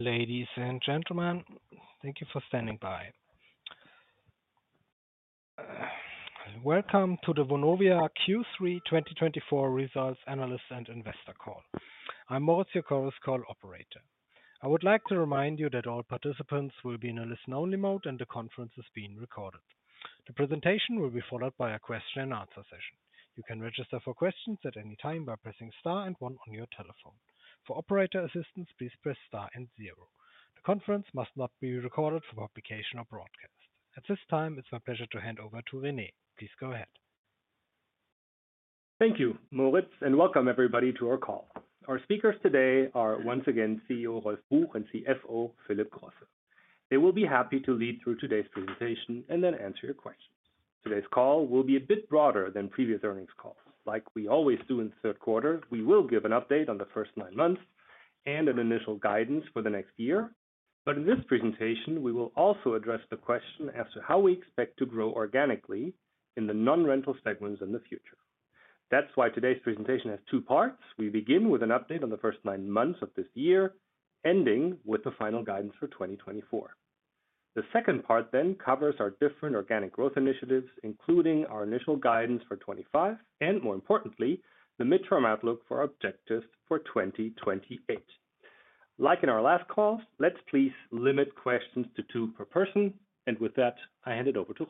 Ladies and gentlemen, thank you for standing by. Welcome to the Vonovia Q3 2024 Results Analysts and Investor Call. I'm Moritz, your Chorus Call Operator. I would like to remind you that all participants will be in a listen-only mode and the conference is being recorded. The presentation will be followed by a question-and-answer session. You can register for questions at any time by pressing star and one on your telephone. For operator assistance, please press star and zero. The conference must not be recorded for publication or broadcast. At this time, it's my pleasure to hand over to Rene. Please go ahead. Thank you, [Moritz], and welcome everybody to our call. Our speakers today are, once again, CEO Rolf Buch and CFO Philip Grosse. They will be happy to lead through today's presentation and then answer your questions. Today's call will be a bit broader than previous earnings calls. Like we always do in the third quarter, we will give an update on the first nine months and an initial guidance for the next year. But in this presentation, we will also address the question as to how we expect to grow organically in the non-rental segments in the future. That's why today's presentation has two parts. We begin with an update on the first nine months of this year, ending with the final guidance for 2024. The second part then covers our different organic growth initiatives, including our initial guidance for 2025 and, more importantly, the midterm outlook for objectives for 2028. Like in our last calls, let's please limit questions to two per person. And with that, I hand it over to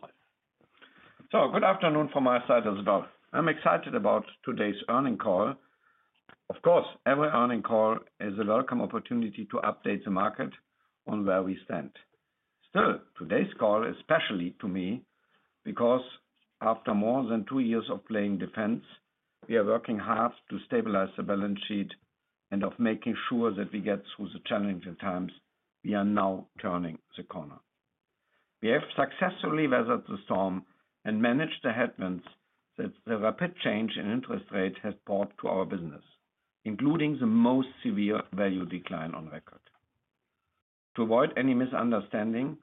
Rolf. Good afternoon from my side as well. I'm excited about today's earnings call. Of course, every earnings call is a welcome opportunity to update the market on where we stand. Still, today's call is special to me because after more than two years of playing defense, we are working hard to stabilize the balance sheet and of making sure that we get through the challenging times we are now turning the corner. We have successfully weathered the storm and managed the headwinds that the rapid change in interest rates has brought to our business, including the most severe value decline on record. To avoid any misunderstanding,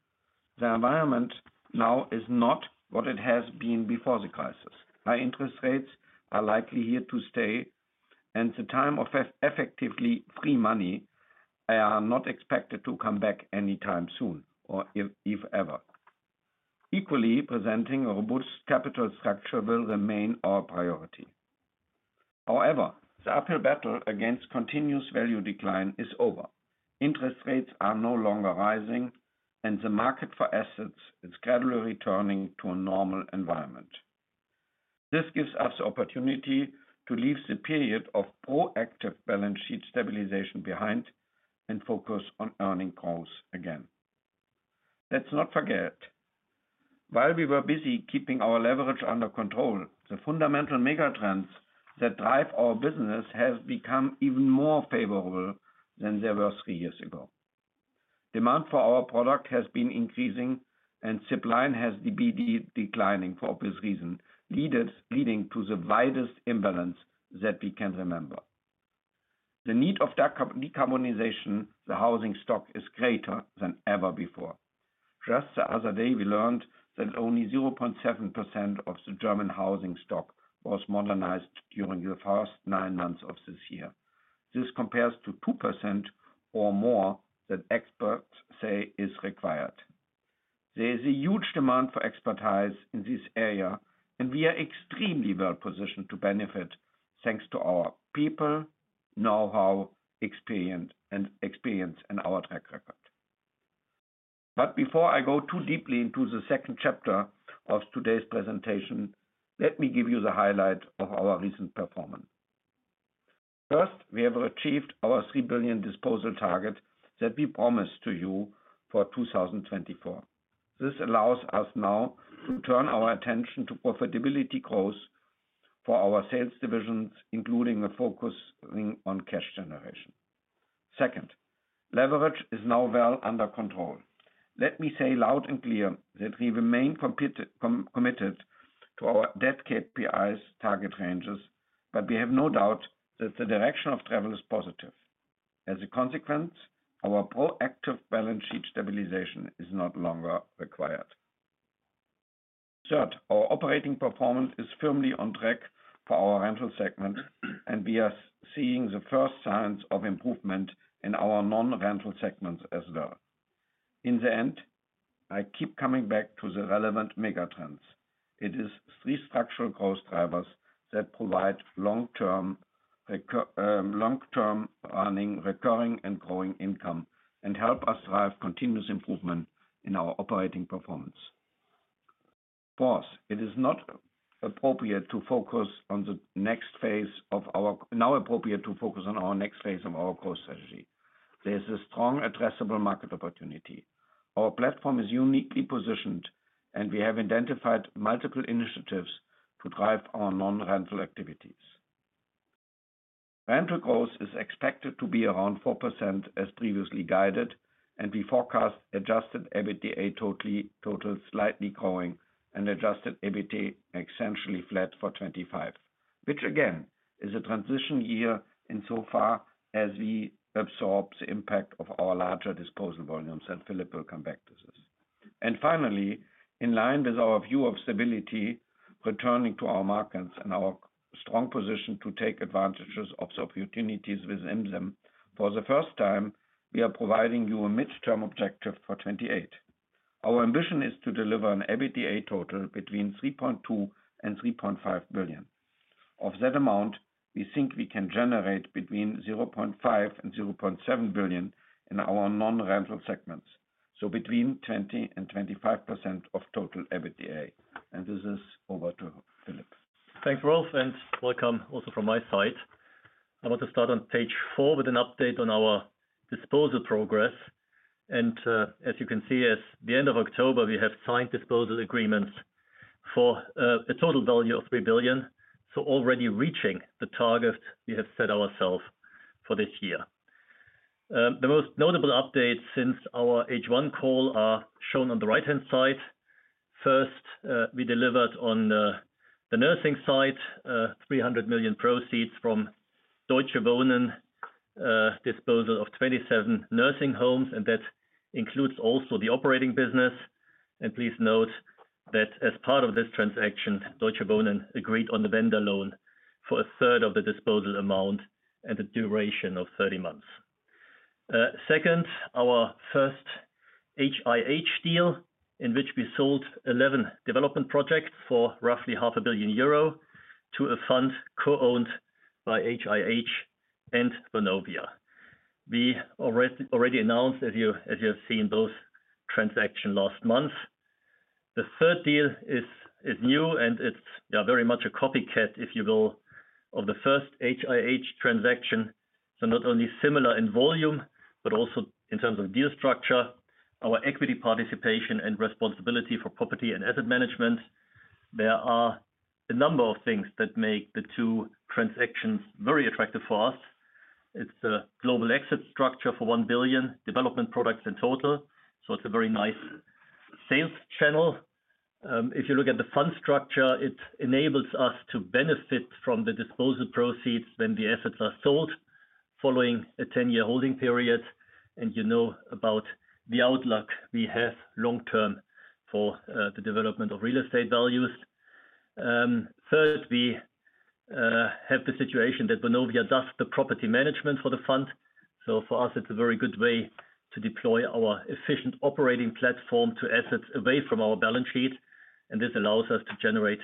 the environment now is not what it has been before the crisis. High interest rates are likely here to stay, and the time of effectively free money is not expected to come back anytime soon or if ever. Equally, presenting a robust capital structure will remain our priority. However, the uphill battle against continuous value decline is over. Interest rates are no longer rising, and the market for assets is gradually returning to a normal environment. This gives us the opportunity to leave the period of proactive balance sheet stabilization behind and focus on earnings growth again. Let's not forget, while we were busy keeping our leverage under control, the fundamental megatrends that drive our business have become even more favorable than they were three years ago. Demand for our product has been increasing, and supply has been declining for obvious reasons, leading to the widest imbalance that we can remember. The need of decarbonization of the housing stock is greater than ever before. Just the other day, we learned that only 0.7% of the German housing stock was modernized during the first nine months of this year. This compares to 2% or more that experts say is required. There is a huge demand for expertise in this area, and we are extremely well positioned to benefit thanks to our people, know-how, experience, and our track record. But before I go too deeply into the second chapter of today's presentation, let me give you the highlight of our recent performance. First, we have achieved our 3 billion disposal target that we promised to you for 2024. This allows us now to turn our attention to profitability growth for our sales divisions, including a focus on cash generation. Second, leverage is now well under control. Let me say loud and clear that we remain committed to our debt KPIs target ranges, but we have no doubt that the direction of travel is positive. As a consequence, our proactive balance sheet stabilization is no longer required. Third, our operating performance is firmly on track for our rental segment, and we are seeing the first signs of improvement in our non-rental segments as well. In the end, I keep coming back to the relevant megatrends. It is three structural growth drivers that provide long-term earnings, recurring, and growing income and help us drive continuous improvement in our operating performance. Fourth, it is now appropriate to focus on the next phase of our growth strategy. There is a strong addressable market opportunity. Our platform is uniquely positioned, and we have identified multiple initiatives to drive our non-rental activities. Rental growth is expected to be around 4% as previously guided, and we forecast adjusted EBITDA total slightly growing and adjusted EBITDA essentially flat for 2025, which again is a transition year insofar as we absorb the impact of our larger disposal volumes, and Philip will come back to this. And finally, in line with our view of stability returning to our markets and our strong position to take advantages of the opportunities within them, for the first time, we are providing you a midterm objective for 2028. Our ambition is to deliver an EBITDA total between 3.2 billion and 3.5 billion. Of that amount, we think we can generate between 0.5 billion and 0.7 billion in our non-rental segments, so between 20% and 25% of total EBITDA. And this is over to Philip. Thanks, Rolf, and welcome also from my side. I want to start on page four with an update on our disposal progress. And as you can see, as the end of October, we have signed disposal agreements for a total value of 3 billion, so already reaching the target we have set ourselves for this year. The most notable updates since our H1 call are shown on the right-hand side. First, we delivered on the nursing side 300 million proceeds from Deutsche Wohnen disposal of 27 nursing homes, and that includes also the operating business. And please note that as part of this transaction, Deutsche Wohnen agreed on the vendor loan for a third of the disposal amount and the duration of 30 months. Second, our first HIH deal in which we sold 11 development projects for roughly 500 million euro to a fund co-owned by HIH and Vonovia. We already announced, as you have seen, those transactions last month. The third deal is new, and it's very much a copycat, if you will, of the first HIH transaction. So not only similar in volume, but also in terms of deal structure, our equity participation and responsibility for property and asset management. There are a number of things that make the two transactions very attractive for us. It's the global exit structure for 1 billion development products in total. So it's a very nice sales channel. If you look at the fund structure, it enables us to benefit from the disposal proceeds when the assets are sold following a 10-year holding period. And you know about the outlook we have long-term for the development of real estate values. Third, we have the situation that Vonovia does the property management for the fund. So for us, it's a very good way to deploy our efficient operating platform to assets away from our balance sheet. And this allows us to generate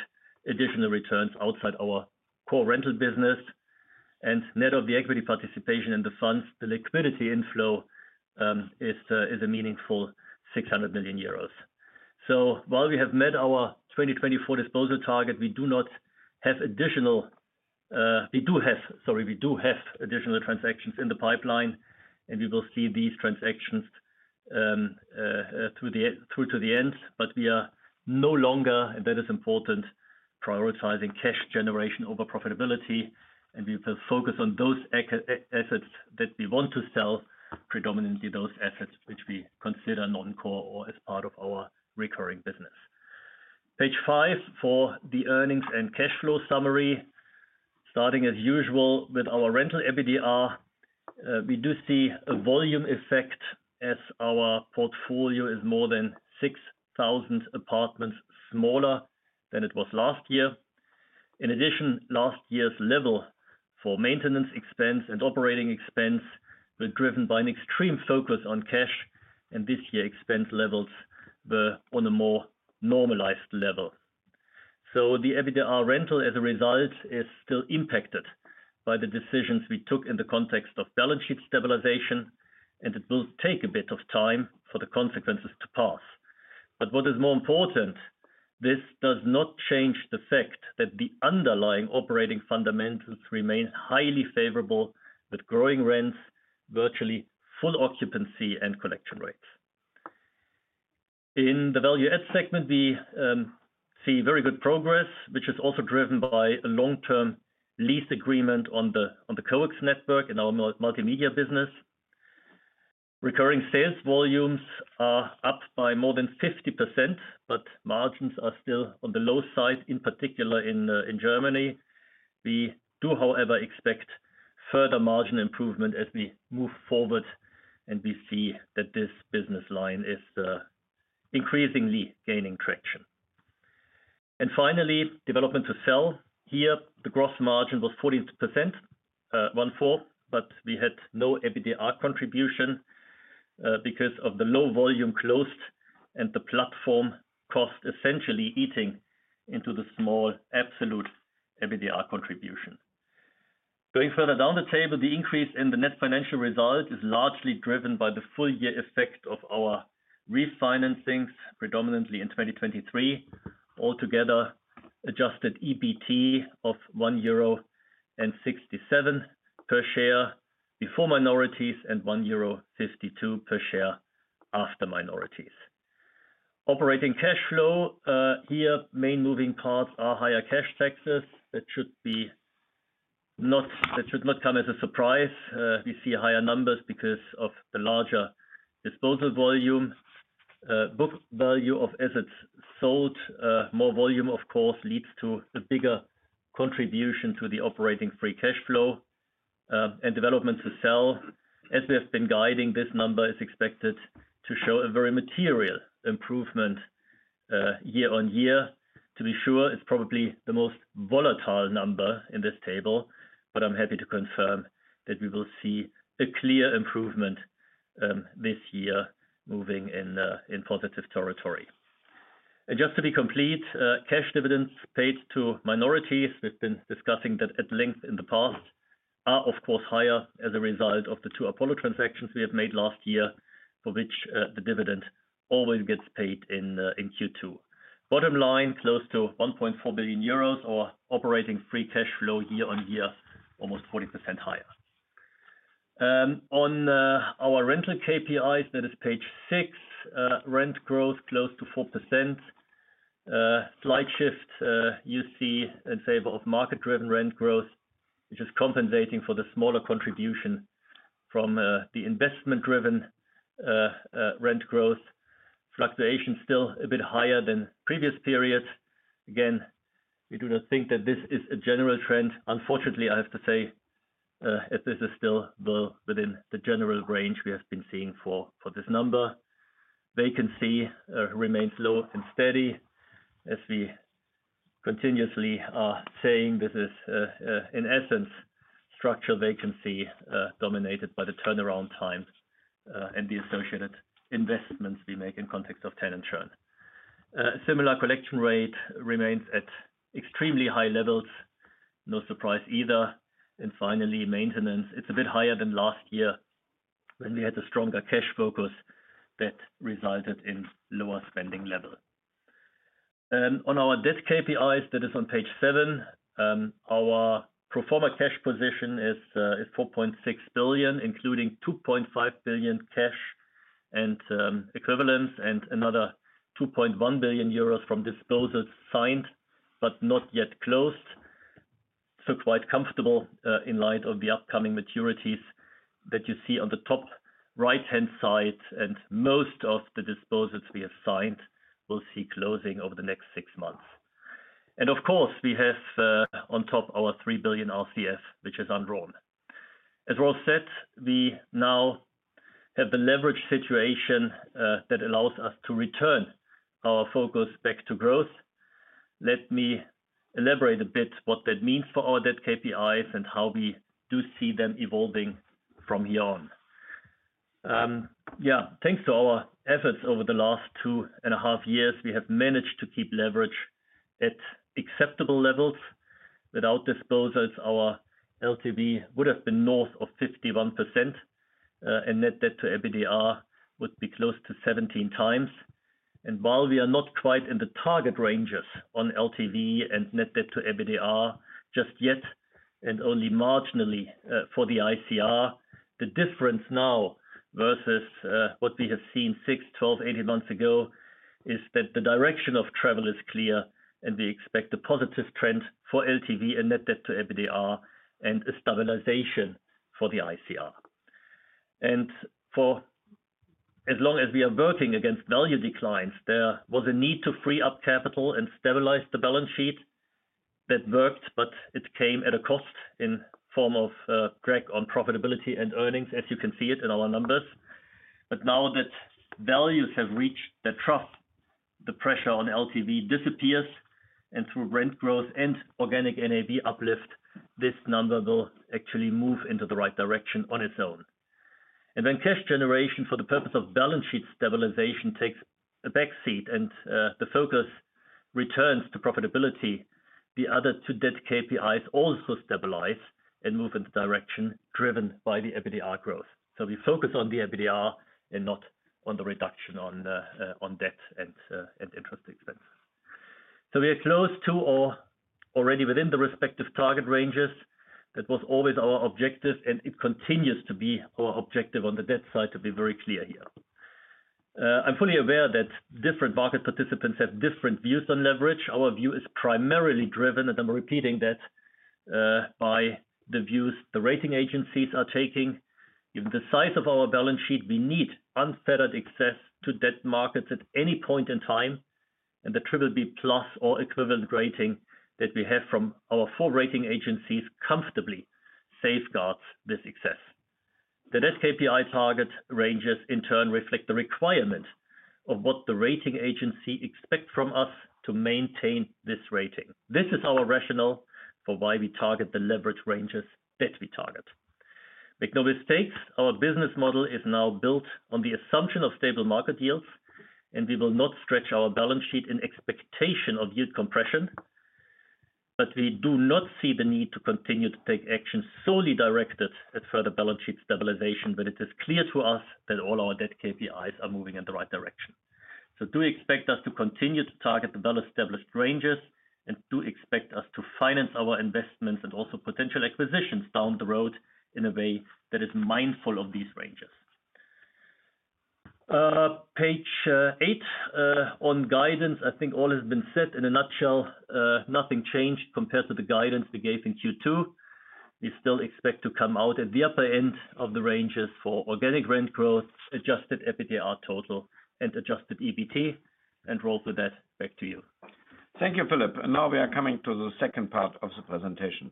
additional returns outside our core rental business. And net of the equity participation in the funds, the liquidity inflow is a meaningful 600 million euros. So while we have met our 2024 disposal target, we do have additional transactions in the pipeline, and we will see these transactions through to the end. But we are no longer, and that is important, prioritizing cash generation over profitability. And we will focus on those assets that we want to sell, predominantly those assets which we consider non-core or as part of our recurring business. Page five for the earnings and cash flow summary, starting as usual with our rental EBITDA, we do see a volume effect as our portfolio is more than 6,000 apartments smaller than it was last year. In addition, last year's level for maintenance expense and operating expense were driven by an extreme focus on cash, and this year expense levels were on a more normalized level, so the EBITDA rental as a result is still impacted by the decisions we took in the context of balance sheet stabilization, and it will take a bit of time for the consequences to pass, but what is more important, this does not change the fact that the underlying operating fundamentals remain highly favorable with growing rents, virtually full occupancy and collection rates. In the value-add segment, we see very good progress, which is also driven by a long-term lease agreement on the coax network in our multimedia business. Recurring sales volumes are up by more than 50%, but margins are still on the low side, in particular in Germany. We do, however, expect further margin improvement as we move forward, and we see that this business line is increasingly gaining traction, and finally, development to sell here, the gross margin was 40%, 1/4, but we had no EBITDA contribution because of the low volume closed and the platform cost essentially eating into the small absolute EBITDA contribution. Going further down the table, the increase in the net financial result is largely driven by the full-year effect of our refinancings, predominantly in 2023. Altogether, adjusted EBITDA of 1.67 per share before minorities and 1.52 euro per share after minorities. Operating cash flow. Here, main moving parts are higher cash taxes that should not come as a surprise. We see higher numbers because of the larger disposal volume. Book value of assets sold, more volume, of course, leads to a bigger contribution to the operating free cash flow. And development to sell, as we have been guiding, this number is expected to show a very material improvement year-on-year. To be sure, it's probably the most volatile number in this table, but I'm happy to confirm that we will see a clear improvement this year moving in positive territory. And just to be complete, cash dividends paid to minorities, we've been discussing that at length in the past, are of course higher as a result of the two Apollo transactions we have made last year, for which the dividend always gets paid in Q2. Bottom line, close to 1.4 billion euros of operating free cash flow year-on-year, almost 40% higher. On our rental KPIs, that is page six, rent growth close to 4%. Slight shift you see in favor of market-driven rent growth, which is compensating for the smaller contribution from the investment-driven rent growth. Fluctuation still a bit higher than previous periods. Again, we do not think that this is a general trend. Unfortunately, I have to say, this is still within the general range we have been seeing for this number. Vacancy remains low and steady. As we continuously are saying, this is in essence structural vacancy dominated by the turnaround time and the associated investments we make in context of tenant churn. Similar collection rate remains at extremely high levels, no surprise either. Finally, maintenance, it's a bit higher than last year when we had a stronger cash focus that resulted in lower spending level. On our debt KPIs, that is on page seven, our pro forma cash position is 4.6 billion, including 2.5 billion cash and equivalents and another 2.1 billion euros from disposals signed, but not yet closed. So quite comfortable in light of the upcoming maturities that you see on the top right-hand side. Most of the disposals we have signed will see closing over the next six months. Of course, we have on top our 3 billion RCF, which is undrawn. As Rolf said, we now have the leverage situation that allows us to return our focus back to growth. Let me elaborate a bit what that means for our debt KPIs and how we do see them evolving from here on. Yeah, thanks to our efforts over the last two-and-a-half years, we have managed to keep leverage at acceptable levels. Without disposals, our LTV would have been north of 51%, and net debt to EBITDA would be close to 17 times. And while we are not quite in the target ranges on LTV and net debt-to-EBITDA just yet, and only marginally for the ICR, the difference now versus what we have seen six, 12, 18 months ago is that the direction of travel is clear, and we expect a positive trend for LTV and net debt-to-EBITDA and a stabilization for the ICR. And for as long as we are working against value declines, there was a need to free up capital and stabilize the balance sheet. That worked, but it came at a cost in form of crack on profitability and earnings, as you can see it in our numbers. But now that values have reached the trough, the pressure on LTV disappears, and through rent growth and organic NAV uplift, this number will actually move into the right direction on its own. And when cash generation for the purpose of balance sheet stabilization takes a backseat and the focus returns to profitability, the other two debt KPIs also stabilize and move in the direction driven by the EBITDA growth. So we focus on the EBITDA and not on the reduction on debt and interest expenses. So we are close to or already within the respective target ranges. That was always our objective, and it continues to be our objective on the debt side to be very clear here. I'm fully aware that different market participants have different views on leverage. Our view is primarily driven, and I'm repeating that, by the views the rating agencies are taking. Given the size of our balance sheet, we need unfettered access to debt markets at any point in time, and the BBB+ or equivalent rating that we have from our four rating agencies comfortably safeguards this excess. The debt KPI target ranges in turn reflect the requirement of what the rating agency expects from us to maintain this rating. This is our rationale for why we target the leverage ranges that we target. Make no mistake, our business model is now built on the assumption of stable market yields, and we will not stretch our balance sheet in expectation of yield compression. But we do not see the need to continue to take action solely directed at further balance sheet stabilization, but it is clear to us that all our debt KPIs are moving in the right direction. So do we expect us to continue to target the well-established ranges and do expect us to finance our investments and also potential acquisitions down the road in a way that is mindful of these ranges? Page eight on guidance, I think all has been said in a nutshell. Nothing changed compared to the guidance we gave in Q2. We still expect to come out at the upper end of the ranges for organic rent growth, adjusted EBITDA total, and adjusted EBT. And Rolf, with that, back to you. Thank you, Philip. And now we are coming to the second part of the presentation.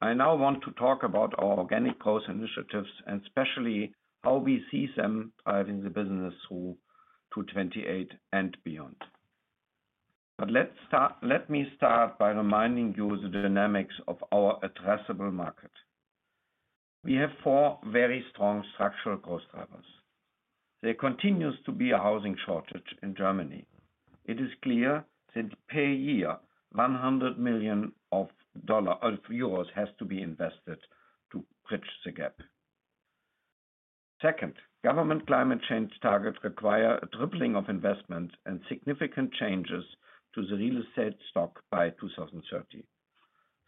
I now want to talk about our organic growth initiatives and especially how we see them driving the business through 2028 and beyond. But let me start by reminding you of the dynamics of our addressable market. We have four very strong structural growth drivers. There continues to be a housing shortage in Germany. It is clear that per year, 100 million euros has to be invested to bridge the gap. Second, government climate change targets require a tripling of investments and significant changes to the real estate stock by 2030.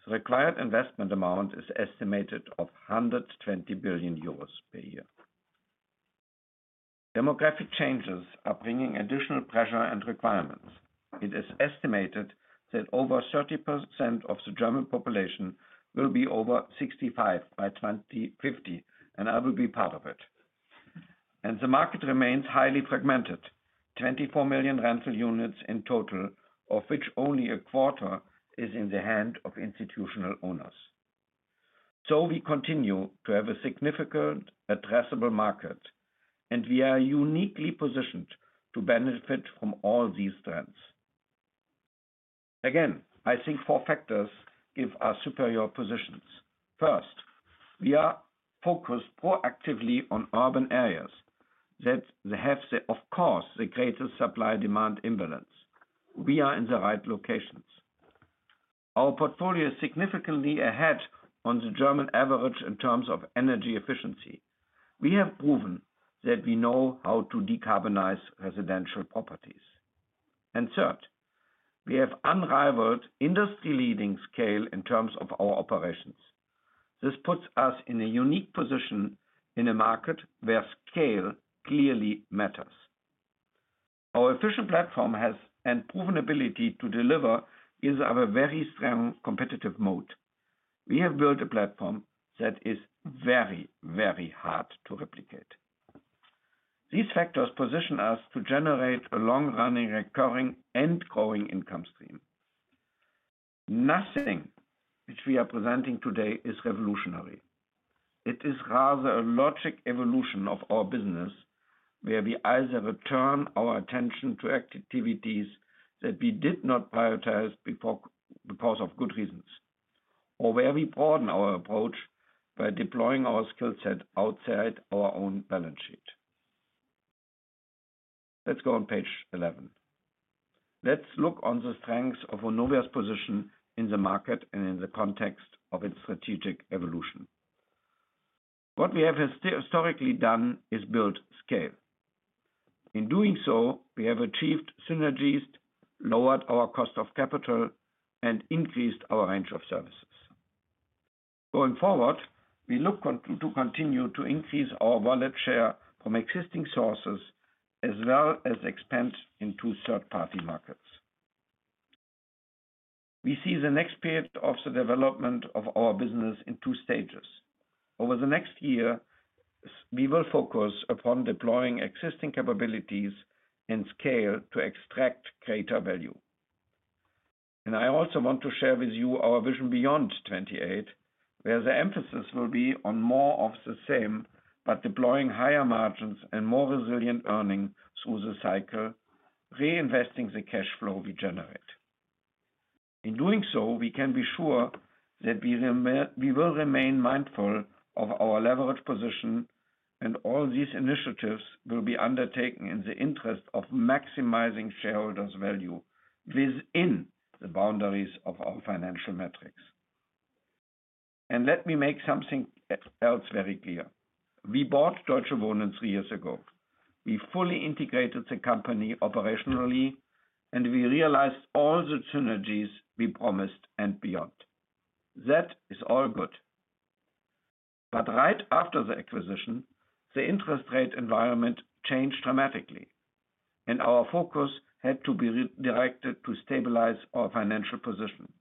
The required investment amount is estimated at 120 billion euros per year. Demographic changes are bringing additional pressure and requirements. It is estimated that over 30% of the German population will be over 65 by 2050, and I will be part of it. The market remains highly fragmented, 24 million rental units in total, of which only a quarter is in the hands of institutional owners, so we continue to have a significant addressable market, and we are uniquely positioned to benefit from all these trends. Again, I think four factors give us superior positions. First, we are focused proactively on urban areas that have, of course, the greatest supply-demand imbalance. We are in the right locations. Our portfolio is significantly ahead of the German average in terms of energy efficiency. We have proven that we know how to decarbonize residential properties. And third, we have unrivaled industry-leading scale in terms of our operations. This puts us in a unique position in a market where scale clearly matters. Our efficient platform has a proven ability to deliver, which is a very strong competitive moat. We have built a platform that is very, very hard to replicate. These factors position us to generate a long-running, recurring, and growing income stream. Nothing which we are presenting today is revolutionary. It is rather a logical evolution of our business where we either return our attention to activities that we did not prioritize because of good reasons, or where we broaden our approach by deploying our skill set outside our own balance sheet. Let's go on page 11. Let's look on the strengths of Vonovia's position in the market and in the context of its strategic evolution. What we have historically done is built scale. In doing so, we have achieved synergies, lowered our cost of capital, and increased our range of services. Going forward, we look to continue to increase our wallet share from existing sources as well as expand into third-party markets. We see the next period of the development of our business in two stages. Over the next year, we will focus upon deploying existing capabilities and scale to extract greater value. And I also want to share with you our vision beyond 2028, where the emphasis will be on more of the same, but deploying higher margins and more resilient earnings through the cycle, reinvesting the cash flow we generate. In doing so, we can be sure that we will remain mindful of our leverage position, and all these initiatives will be undertaken in the interest of maximizing shareholders' value within the boundaries of our financial metrics. And let me make something else very clear. We bought Deutsche Wohnen three years ago. We fully integrated the company operationally, and we realized all the synergies we promised and beyond. That is all good. But right after the acquisition, the interest rate environment changed dramatically, and our focus had to be directed to stabilize our financial position.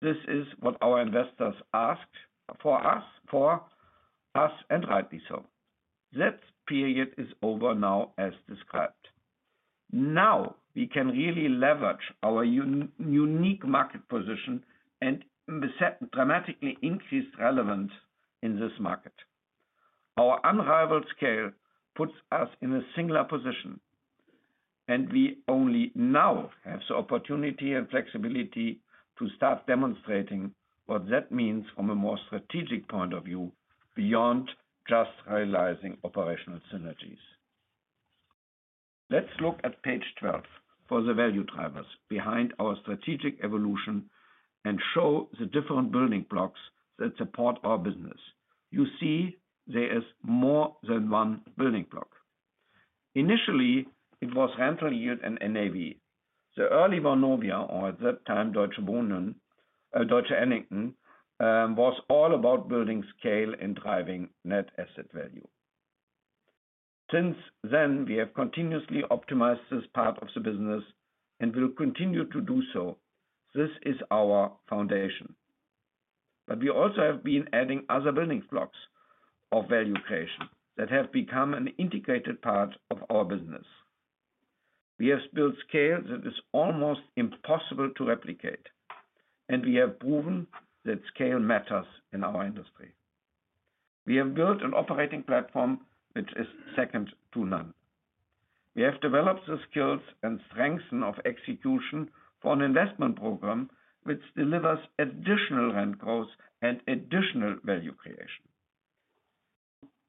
This is what our investors asked for us, for us, and rightly so. That period is over now, as described. Now we can really leverage our unique market position and dramatically increase relevance in this market. Our unrivaled scale puts us in a singular position, and we only now have the opportunity and flexibility to start demonstrating what that means from a more strategic point of view beyond just realizing operational synergies. Let's look at page 12 for the value drivers behind our strategic evolution and show the different building blocks that support our business. You see, there is more than one building block. Initially, it was rental yield and NAV. The early Vonovia, or at that time, Deutsche Wohnen, Deutsche Annington, was all about building scale and driving net asset value. Since then, we have continuously optimized this part of the business and will continue to do so. This is our foundation. But we also have been adding other building blocks of value creation that have become an integrated part of our business. We have built scale that is almost impossible to replicate, and we have proven that scale matters in our industry. We have built an operating platform which is second to none. We have developed the skills and strengths of execution for an investment program which delivers additional rent growth and additional value creation.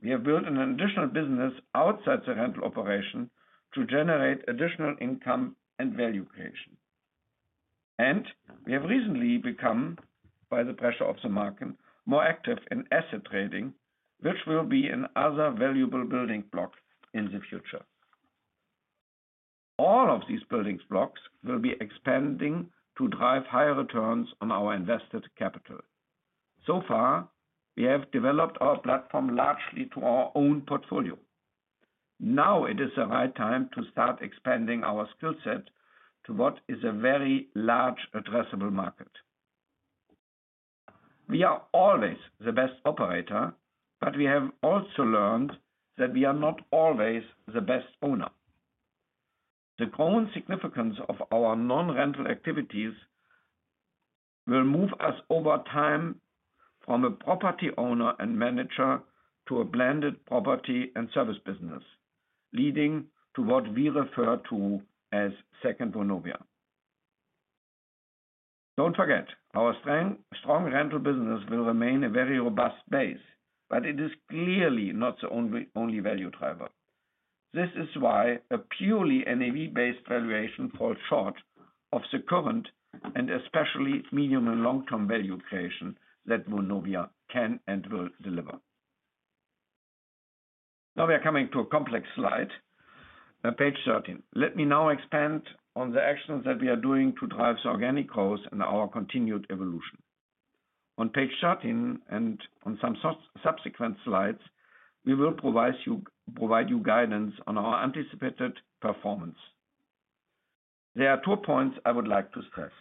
We have built an additional business outside the rental operation to generate additional income and value creation. We have recently become, by the pressure of the market, more active in asset trading, which will be another valuable building block in the future. All of these building blocks will be expanding to drive higher returns on our invested capital. So far, we have developed our platform largely to our own portfolio. Now it is the right time to start expanding our skill set to what is a very large addressable market. We are always the best operator, but we have also learned that we are not always the best owner. The growing significance of our non-rental activities will move us over time from a property owner and manager to a blended property and service business, leading to what we refer to as second Vonovia. Don't forget, our strong rental business will remain a very robust base, but it is clearly not the only value driver. This is why a purely NAV-based valuation falls short of the current and especially medium and long-term value creation that Vonovia can and will deliver. Now we are coming to a complex slide, page 13. Let me now expand on the actions that we are doing to drive the organic growth and our continued evolution. On page 13 and on some subsequent slides, we will provide you guidance on our anticipated performance. There are two points I would like to stress.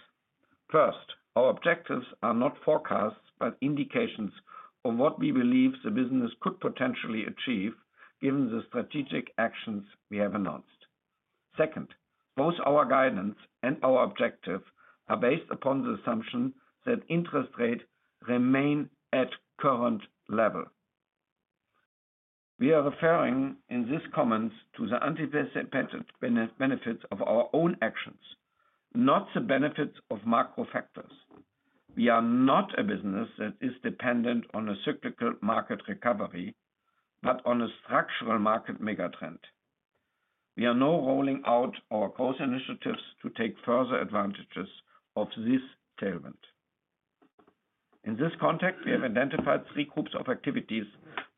First, our objectives are not forecasts, but indications of what we believe the business could potentially achieve given the strategic actions we have announced. Second, both our guidance and our objective are based upon the assumption that interest rates remain at current level. We are referring in these comments to the anticipated benefits of our own actions, not the benefits of macro factors. We are not a business that is dependent on a cyclical market recovery, but on a structural market megatrend. We are now rolling out our growth initiatives to take further advantages of this tailwind. In this context, we have identified three groups of activities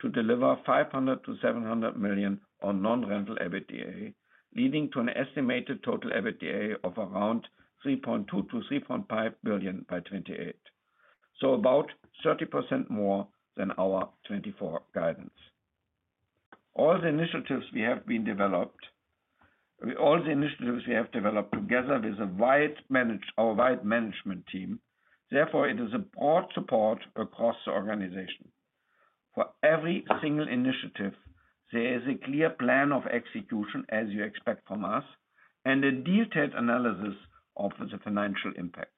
to deliver 500 million-700 million on non-rental EBITDA, leading to an estimated total EBITDA of around 3.2 billion-3.5 billion by 2028, so about 30% more than our 2024 guidance. All the initiatives we have developed together with our wide management team, therefore it is a broad support across the organization. For every single initiative, there is a clear plan of execution, as you expect from us, and a detailed analysis of the financial impacts.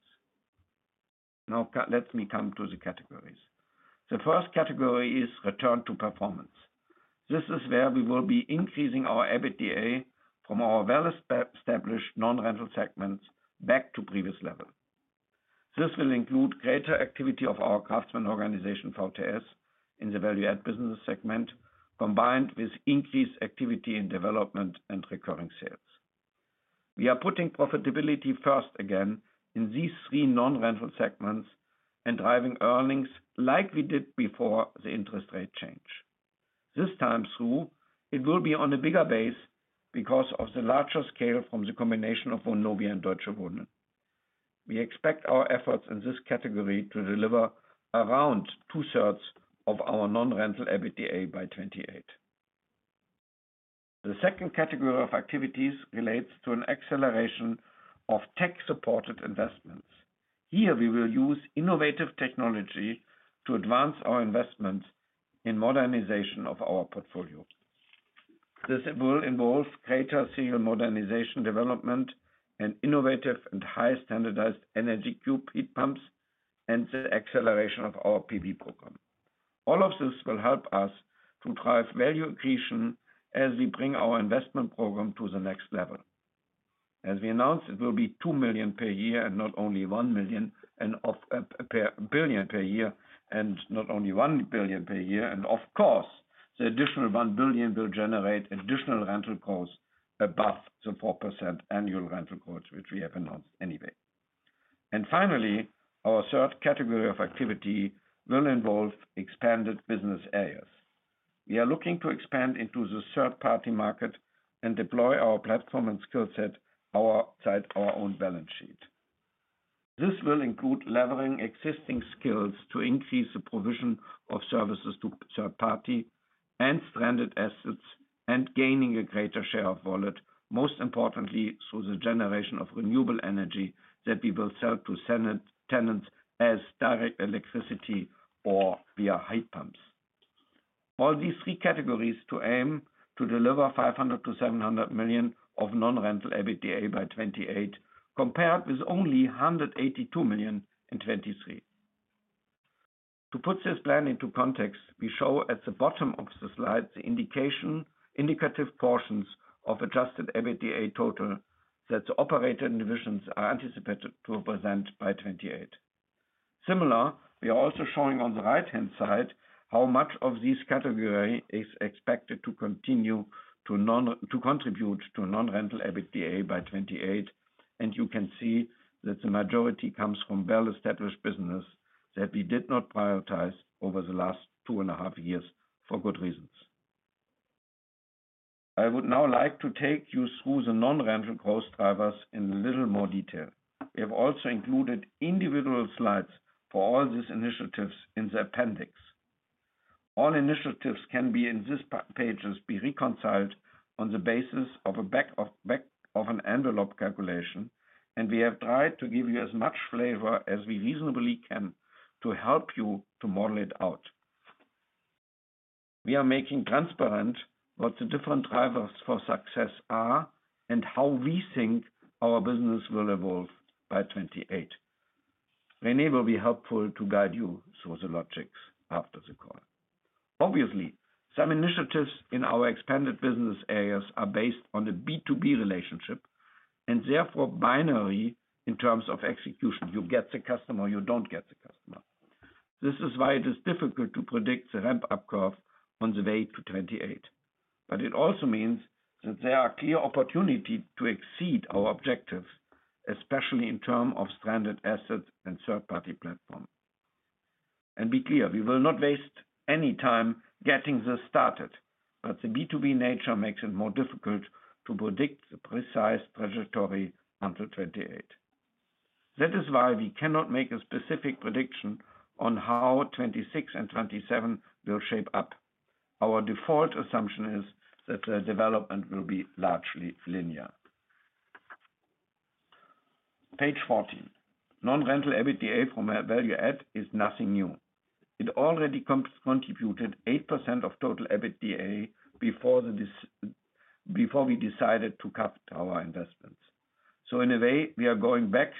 Now, let me come to the categories. The first category is return to performance. This is where we will be increasing our EBITDA from our well-established non-rental segments back to previous level. This will include greater activity of our craftsman organization, VTS, in the value-added business segment, combined with increased activity in development and recurring sales. We are putting profitability first again in these three non-rental segments and driving earnings like we did before the interest rate change. This time through, it will be on a bigger base because of the larger scale from the combination of Vonovia and Deutsche Wohnen. We expect our efforts in this category to deliver around two-thirds of our non-rental EBITDA by 2028. The second category of activities relates to an acceleration of tech-supported investments. Here, we will use innovative technology to advance our investments in modernization of our portfolio. This will involve greater serial modernization development and innovative and high-standardized energy cube heat pumps, and the acceleration of our PV program. All of this will help us to drive value accretion as we bring our investment program to the next level. As we announced, it will be 2 million per year and not only 1 million and 1 billion per year and not only 1 billion per year. And of course, the additional 1 billion will generate additional rental growth above the 4% annual rental growth, which we have announced anyway. And finally, our third category of activity will involve expanded business areas. We are looking to expand into the third-party market and deploy our platform and skill set outside our own balance sheet. This will include levering existing skills to increase the provision of services to third party and stranded assets and gaining a greater share of wallet, most importantly through the generation of renewable energy that we will sell to tenants as direct electricity or via heat pumps. All these three categories aim to deliver 500 million-700 million of non-rental EBITDA by 2028, compared with only 182 million in 2023. To put this plan into context, we show at the bottom of the slide the indicative portions of adjusted EBITDA total that the operating divisions are anticipated to present by 2028. Similarly, we are also showing on the right-hand side how much of these categories are expected to continue to contribute to non-rental EBITDA by 2028. You can see that the majority comes from well-established businesses that we did not prioritize over the last two-and-a-half years for good reasons. I would now like to take you through the non-rental growth drivers in a little more detail. We have also included individual slides for all these initiatives in the appendix. All initiatives can be in these pages, be reconciled on the basis of a back-of-an-envelope calculation, and we have tried to give you as much flavor as we reasonably can to help you to model it out. We are making transparent what the different drivers for success are and how we think our business will evolve by 2028. Rene will be helpful to guide you through the logics after the call. Obviously, some initiatives in our expanded business areas are based on a B2B relationship and therefore binary in terms of execution. You get the customer, you don't get the customer. This is why it is difficult to predict the ramp-up curve on the way to 2028. But it also means that there are clear opportunities to exceed our objectives, especially in terms of stranded assets and third-party platforms. And be clear, we will not waste any time getting this started, but the B2B nature makes it more difficult to predict the precise trajectory until 2028. That is why we cannot make a specific prediction on how 2026 and 2027 will shape up. Our default assumption is that the development will be largely linear. Page 14, non-rental EBITDA from value-add is nothing new. It already contributed 8% of total EBITDA before we decided to cut our investments. So in a way, we are going back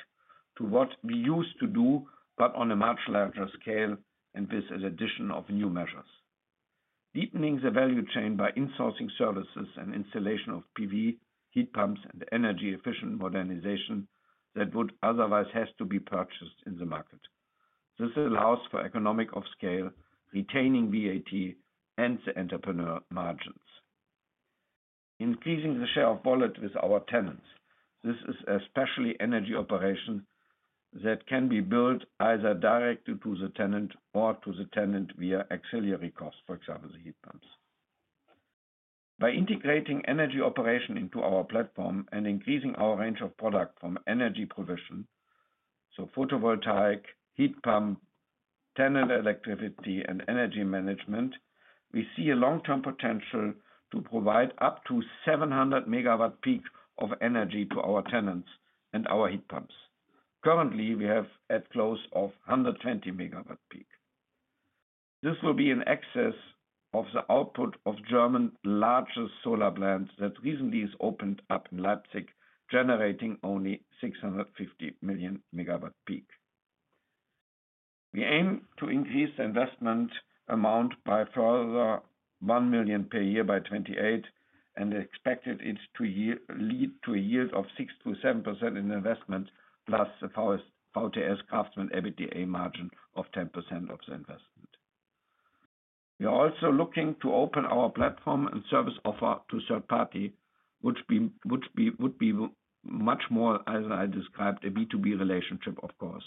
to what we used to do, but on a much larger scale and with an addition of new measures. Deepening the value chain by insourcing services and installation of PV heat pumps and energy-efficient modernization that would otherwise have to be purchased in the market. This allows for economies of scale, retaining VAT and the entrepreneurial margins. Increasing the share of wallet with our tenants. This is especially energy operation that can be billed either directly to the tenant or to the tenant via auxiliary costs, for example, the heat pumps. By integrating energy operation into our platform and increasing our range of products from energy provision, so photovoltaic, heat pump, tenant electricity, and energy management, we see a long-term potential to provide up to 700 MWp of energy to our tenants and our heat pumps. Currently, we have at close of 120 MWp. This will be in excess of the output of Germany's largest solar plant that recently opened up in Leipzig, generating only 650 MWp. We aim to increase the investment amount by a further 1 million per year by 2028 and expect it to lead to a yield of 6%-7% in investment, plus the VTS Craftsman EBITDA margin of 10% of the investment. We are also looking to open our platform and service offer to third party, which would be much more, as I described, a B2B relationship, of course.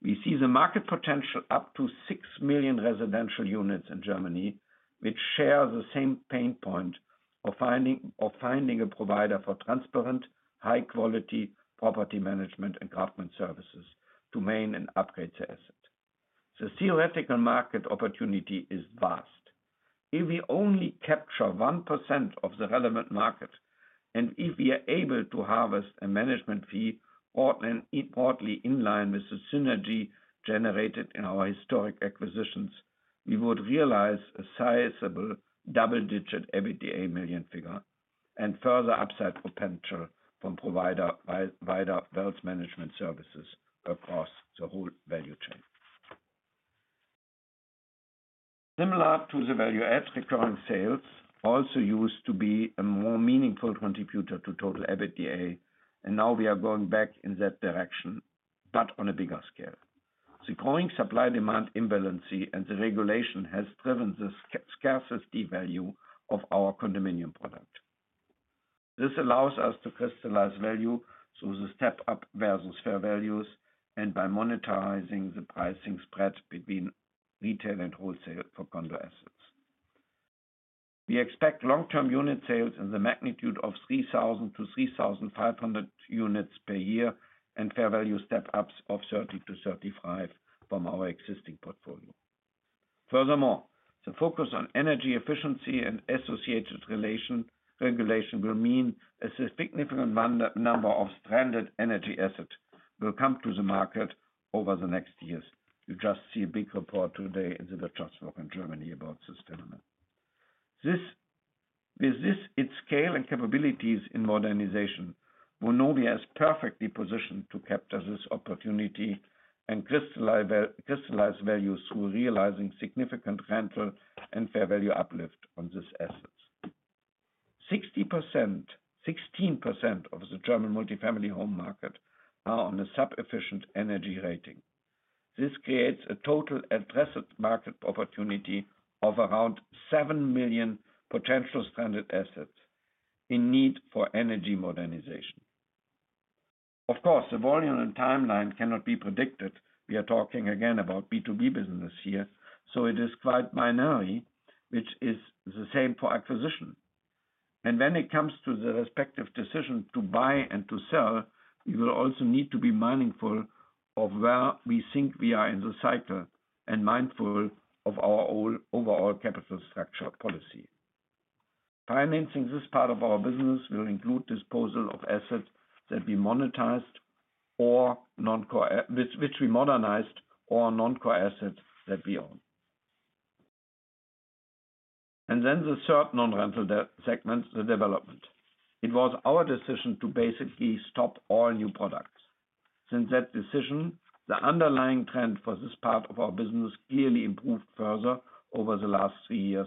We see the market potential up to 6 million residential units in Germany, which share the same pain point of finding a provider for transparent, high-quality property management and craftsmen services to maintain and upgrade the asset. The theoretical market opportunity is vast. If we only capture 1% of the relevant market and if we are able to harvest a management fee broadly in line with the synergy generated in our historic acquisitions, we would realize a sizable double-digit EBITDA million figure and further upside potential from provide value management services across the whole value chain. Similar to the value-add recurring sales, also used to be a more meaningful contributor to total EBITDA, and now we are going back in that direction, but on a bigger scale. The growing supply-demand imbalance and the regulation has driven the scarcity value of our condominium product. This allows us to crystallize value through the step-up versus fair values and by monetizing the pricing spread between retail and wholesale for condo assets. We expect long-term unit sales in the magnitude of 3,000 to 3,500 units per year and fair value step-ups of 30 to 35 from our existing portfolio. Furthermore, the focus on energy efficiency and associated regulation will mean a significant number of stranded energy assets will come to the market over the next years. You just see a big report today in the WirtschaftsWoche Germany about this phenomenon. With its scale and capabilities in modernization, Vonovia is perfectly positioned to capture this opportunity and crystallize value through realizing significant rental and fair value uplift on these assets. 16% of the German multifamily home market are on a sub-efficient energy rating. This creates a total addressed market opportunity of around 7 million potential stranded assets in need for energy modernization. Of course, the volume and timeline cannot be predicted. We are talking again about B2B business here, so it is quite binary, which is the same for acquisition, and when it comes to the respective decision to buy and to sell, we will also need to be mindful of where we think we are in the cycle and mindful of our overall capital structure policy. Financing this part of our business will include disposal of assets that we monetized, which we modernized, or non-core assets that we own, and then the third non-rental segment, the development. It was our decision to basically stop all new products. Since that decision, the underlying trend for this part of our business clearly improved further over the last three years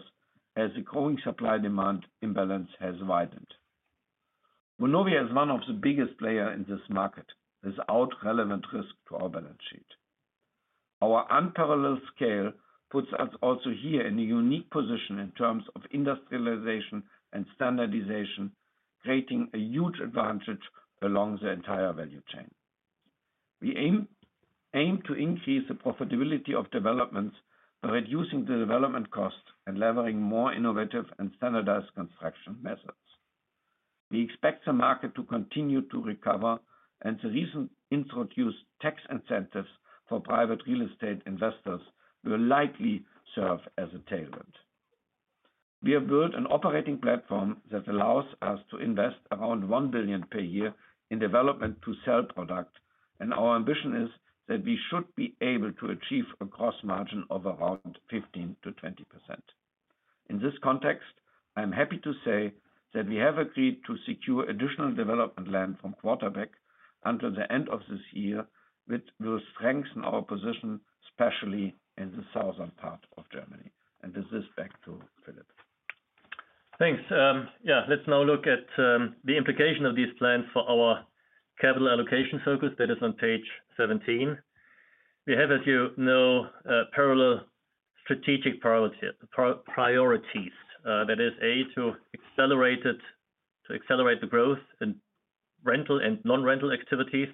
as the growing supply-demand imbalance has widened. Vonovia is one of the biggest players in this market without relevant risk to our balance sheet. Our unparalleled scale puts us also here in a unique position in terms of industrialization and standardization, creating a huge advantage along the entire value chain. We aim to increase the profitability of developments by reducing the development cost and leveraging more innovative and standardized construction methods. We expect the market to continue to recover, and the recently introduced tax incentives for private real estate investors will likely serve as a tailwind. We have built an operating platform that allows us to invest around 1 billion per year in development to sell product, and our ambition is that we should be able to achieve a gross margin of around 15%-20%. In this context, I'm happy to say that we have agreed to secure additional development land from QUARTERBACK until the end of this year, which will strengthen our position, especially in the southern part of Germany. And with this, back to Philip. Thanks. Yeah, let's now look at the implication of these plans for our capital allocation focus that is on page 17. We have, as you know, parallel strategic priorities. That is, A, to accelerate the growth in rental and non-rental activities,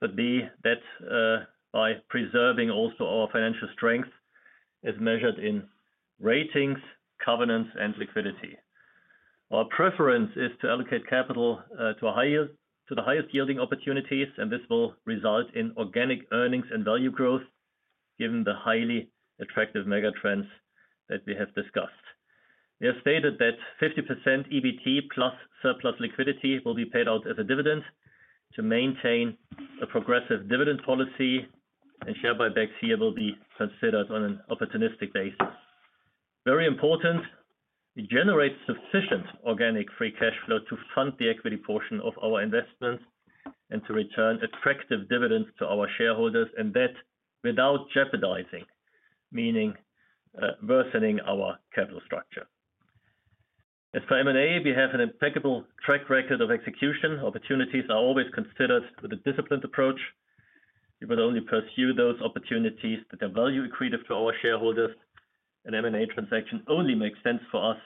but B, that by preserving also our financial strength as measured in ratings, covenants, and liquidity. Our preference is to allocate capital to the highest yielding opportunities, and this will result in organic earnings and value growth given the highly attractive megatrends that we have discussed. We have stated that 50% EBT plus surplus liquidity will be paid out as a dividend to maintain a progressive dividend policy, and share buyback here will be considered on an opportunistic basis. Very important, it generates sufficient organic free cash flow to fund the equity portion of our investments and to return attractive dividends to our shareholders, and that without jeopardizing, meaning worsening our capital structure. As for M&A, we have an impeccable track record of execution. Opportunities are always considered with a disciplined approach. We will only pursue those opportunities that are value accretive to our shareholders, and M&A transaction only makes sense for us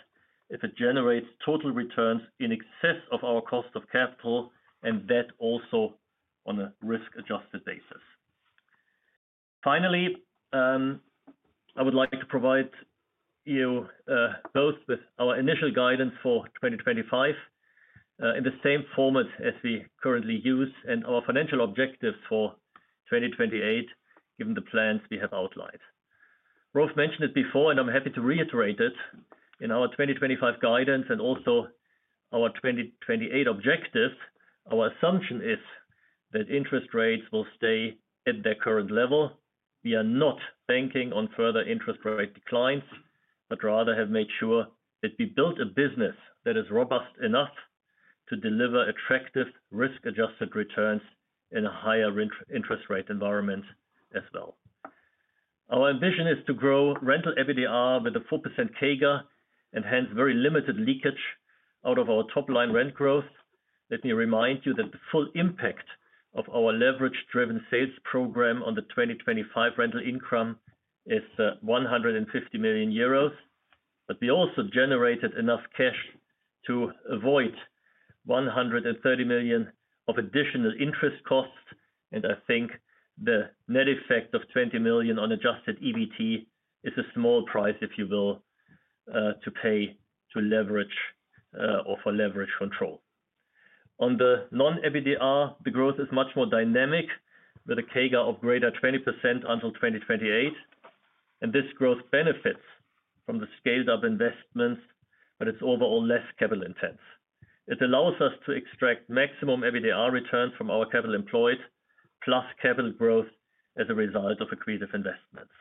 if it generates total returns in excess of our cost of capital, and that also on a risk-adjusted basis. Finally, I would like to provide you both with our initial guidance for 2025 in the same format as we currently use and our financial objectives for 2028, given the plans we have outlined. Rolf mentioned it before, and I'm happy to reiterate it. In our 2025 guidance and also our 2028 objectives, our assumption is that interest rates will stay at their current level. We are not banking on further interest rate declines, but rather have made sure that we build a business that is robust enough to deliver attractive risk-adjusted returns in a higher interest rate environment as well. Our ambition is to grow rental EBITDA with a 4% CAGR and hence very limited leakage out of our top-line rent growth. Let me remind you that the full impact of our leverage-driven sales program on the 2025 rental income is 150 million euros, but we also generated enough cash to avoid 130 million of additional interest costs, and I think the net effect of 20 million on adjusted EBT is a small price, if you will, to pay to leverage or for leverage control. On the non-EBITDA, the growth is much more dynamic with a CAGR of greater 20% until 2028, and this growth benefits from the scaled-up investments, but it's overall less capital intense. It allows us to extract maximum EBITDA returns from our capital employed, plus capital growth as a result of accretive investments.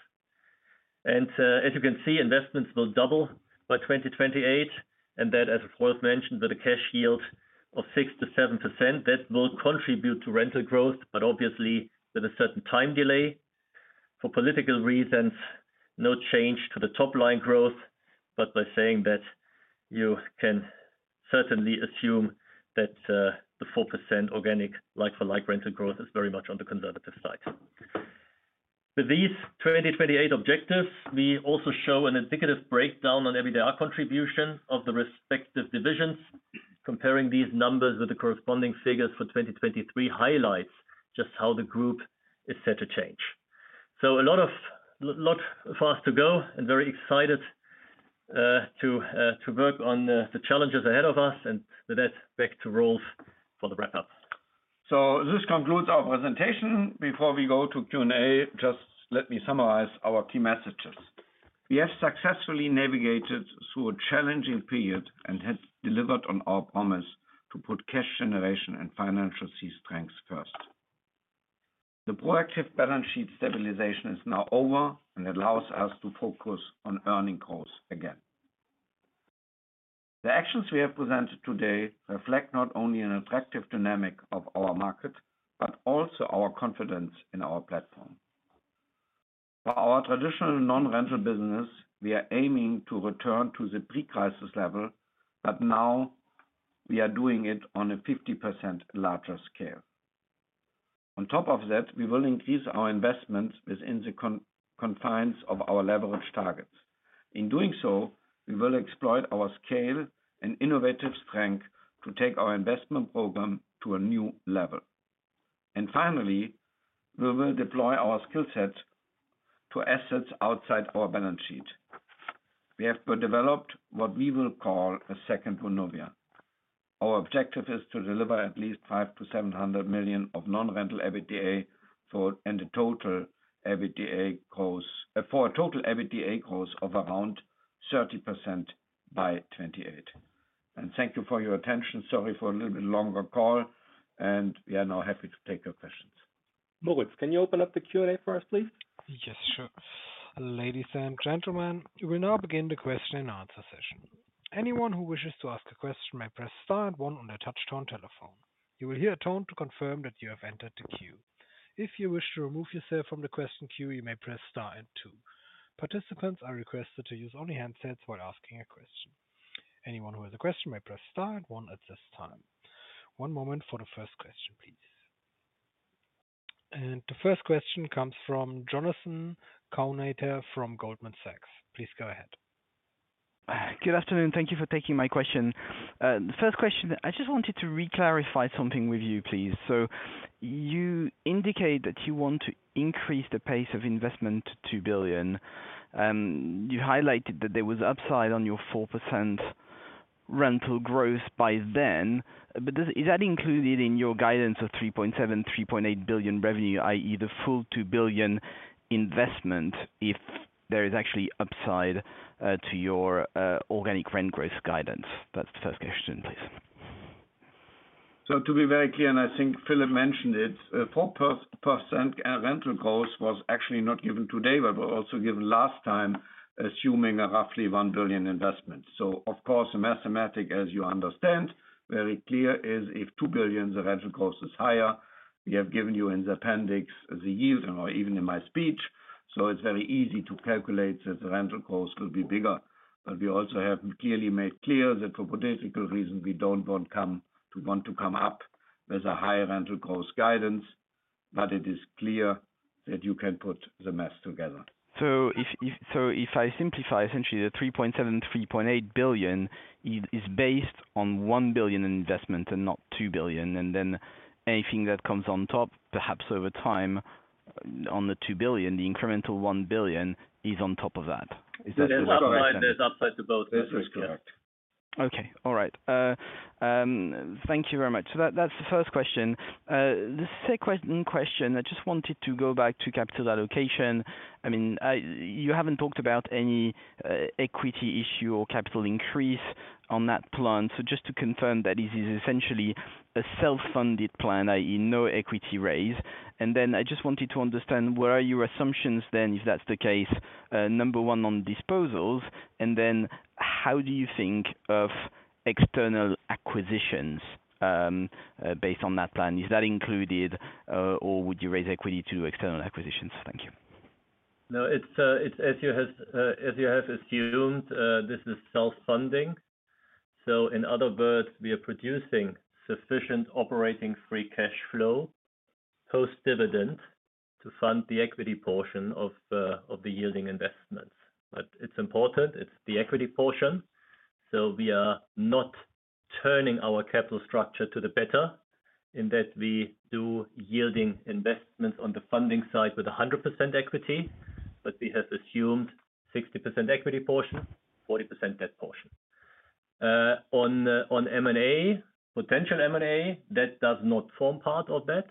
And as you can see, investments will double by 2028, and that, as Rolf mentioned, with a cash yield of 6%-7%, that will contribute to rental growth, but obviously with a certain time delay. For political reasons, no change to the top-line growth, but by saying that you can certainly assume that the 4% organic like-for-like rental growth is very much on the conservative side. With these 2028 objectives, we also show an indicative breakdown on EBITDA contribution of the respective divisions. Comparing these numbers with the corresponding figures for 2023 highlights just how the group is set to change. So, a lot fast to go and very excited to work on the challenges ahead of us, and with that, back to Rolf for the wrap-up. So this concludes our presentation. Before we go to Q&A, just let me summarize our key messages. We have successfully navigated through a challenging period and have delivered on our promise to put cash generation and financial strength first. The proactive balance sheet stabilization is now over and allows us to focus on earning growth again. The actions we have presented today reflect not only an attractive dynamic of our market, but also our confidence in our platform. For our traditional non-rental business, we are aiming to return to the pre-crisis level, but now we are doing it on a 50% larger scale. On top of that, we will increase our investments within the confines of our leverage targets. In doing so, we will exploit our scale and innovative strength to take our investment program to a new level. And finally, we will deploy our skill sets to assets outside our balance sheet. We have developed what we will call a second Vonovia. Our objective is to deliver at least 500 million-700 million of non-rental EBITDA and a total EBITDA growth of around 30% by 2028. Thank you for your attention. Sorry for a little bit longer call, and we are now happy to take your questions. [Moritz], can you open up the Q&A for us, please? Yes, sure. Ladies and gentlemen, we will now begin the question-and-answer session. Anyone who wishes to ask a question may press star and one on their touch-tone telephone. You will hear a tone to confirm that you have entered the queue. If you wish to remove yourself from the question queue, you may press star and two. Participants are requested to use only handsets while asking a question. Anyone who has a question may press star and one at this time. One moment for the first question, please. The first question comes from Jonathan Kownator from Goldman Sachs. Please go ahead. Good afternoon. Thank you for taking my question. The first question, I just wanted to reclarify something with you, please. So you indicate that you want to increase the pace of investment to 2 billion. You highlighted that there was upside on your 4% rental growth by then, but is that included in your guidance of 3.7 billioln-EUR 3.8 billion revenue, i.e., the full 2-billion investment if there is actually upside to your organic rent growth guidance? That's the first question, please. So to be very clear, and I think Philip mentioned it, 4% rental growth was actually not given today, but was also given last time, assuming a roughly 1-billion investment. So of course, the mathematics, as you understand, very clear is if 2-billion the rental growth is higher, we have given you in the appendix the yield and even in my speech. So it's very easy to calculate that the rental growth will be bigger. But we also have clearly made clear that for political reasons, we don't want to come up with a high rental growth guidance, but it is clear that you can put the math together. So if I simplify essentially the 3.7 billion-3.8 billion is based on a 1-billion investment and not 2 billion, and then anything that comes on top, perhaps over time on the 2 billion, the incremental 1 billion is on top of that. This is correct. Okay. All right. Thank you very much. So that's the first question. The second question, I just wanted to go back to capital allocation. I mean, you haven't talked about any equity issue or capital increase on that plan. So just to confirm that this is essentially a self-funded plan, i.e., no equity raise. And then I just wanted to understand, what are your assumptions then, if that's the case, number one on disposals, and then how do you think of external acquisitions based on that plan? Is that included, or would you raise equity to do external acquisitions? Thank you. No, as you have assumed, this is self-funding. So in other words, we are producing sufficient operating free cash flow post-dividend to fund the equity portion of the yielding investments. But it's important. It's the equity portion. So we are not turning our capital structure to the better in that we do yielding investments on the funding side with 100% equity, but we have assumed 60% equity portion, 40% debt portion. On M&A, potential M&A, that does not form part of that.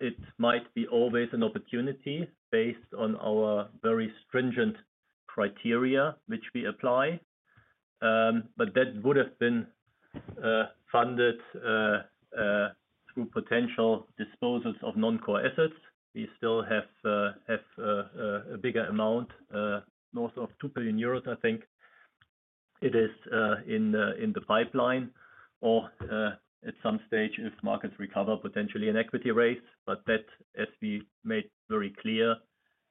It might be always an opportunity based on our very stringent criteria, which we apply. But that would have been funded through potential disposals of non-core assets. We still have a bigger amount north of 2 billion euros, I think. It is in the pipeline or at some stage, if markets recover, potentially an equity raise. But that, as we made very clear,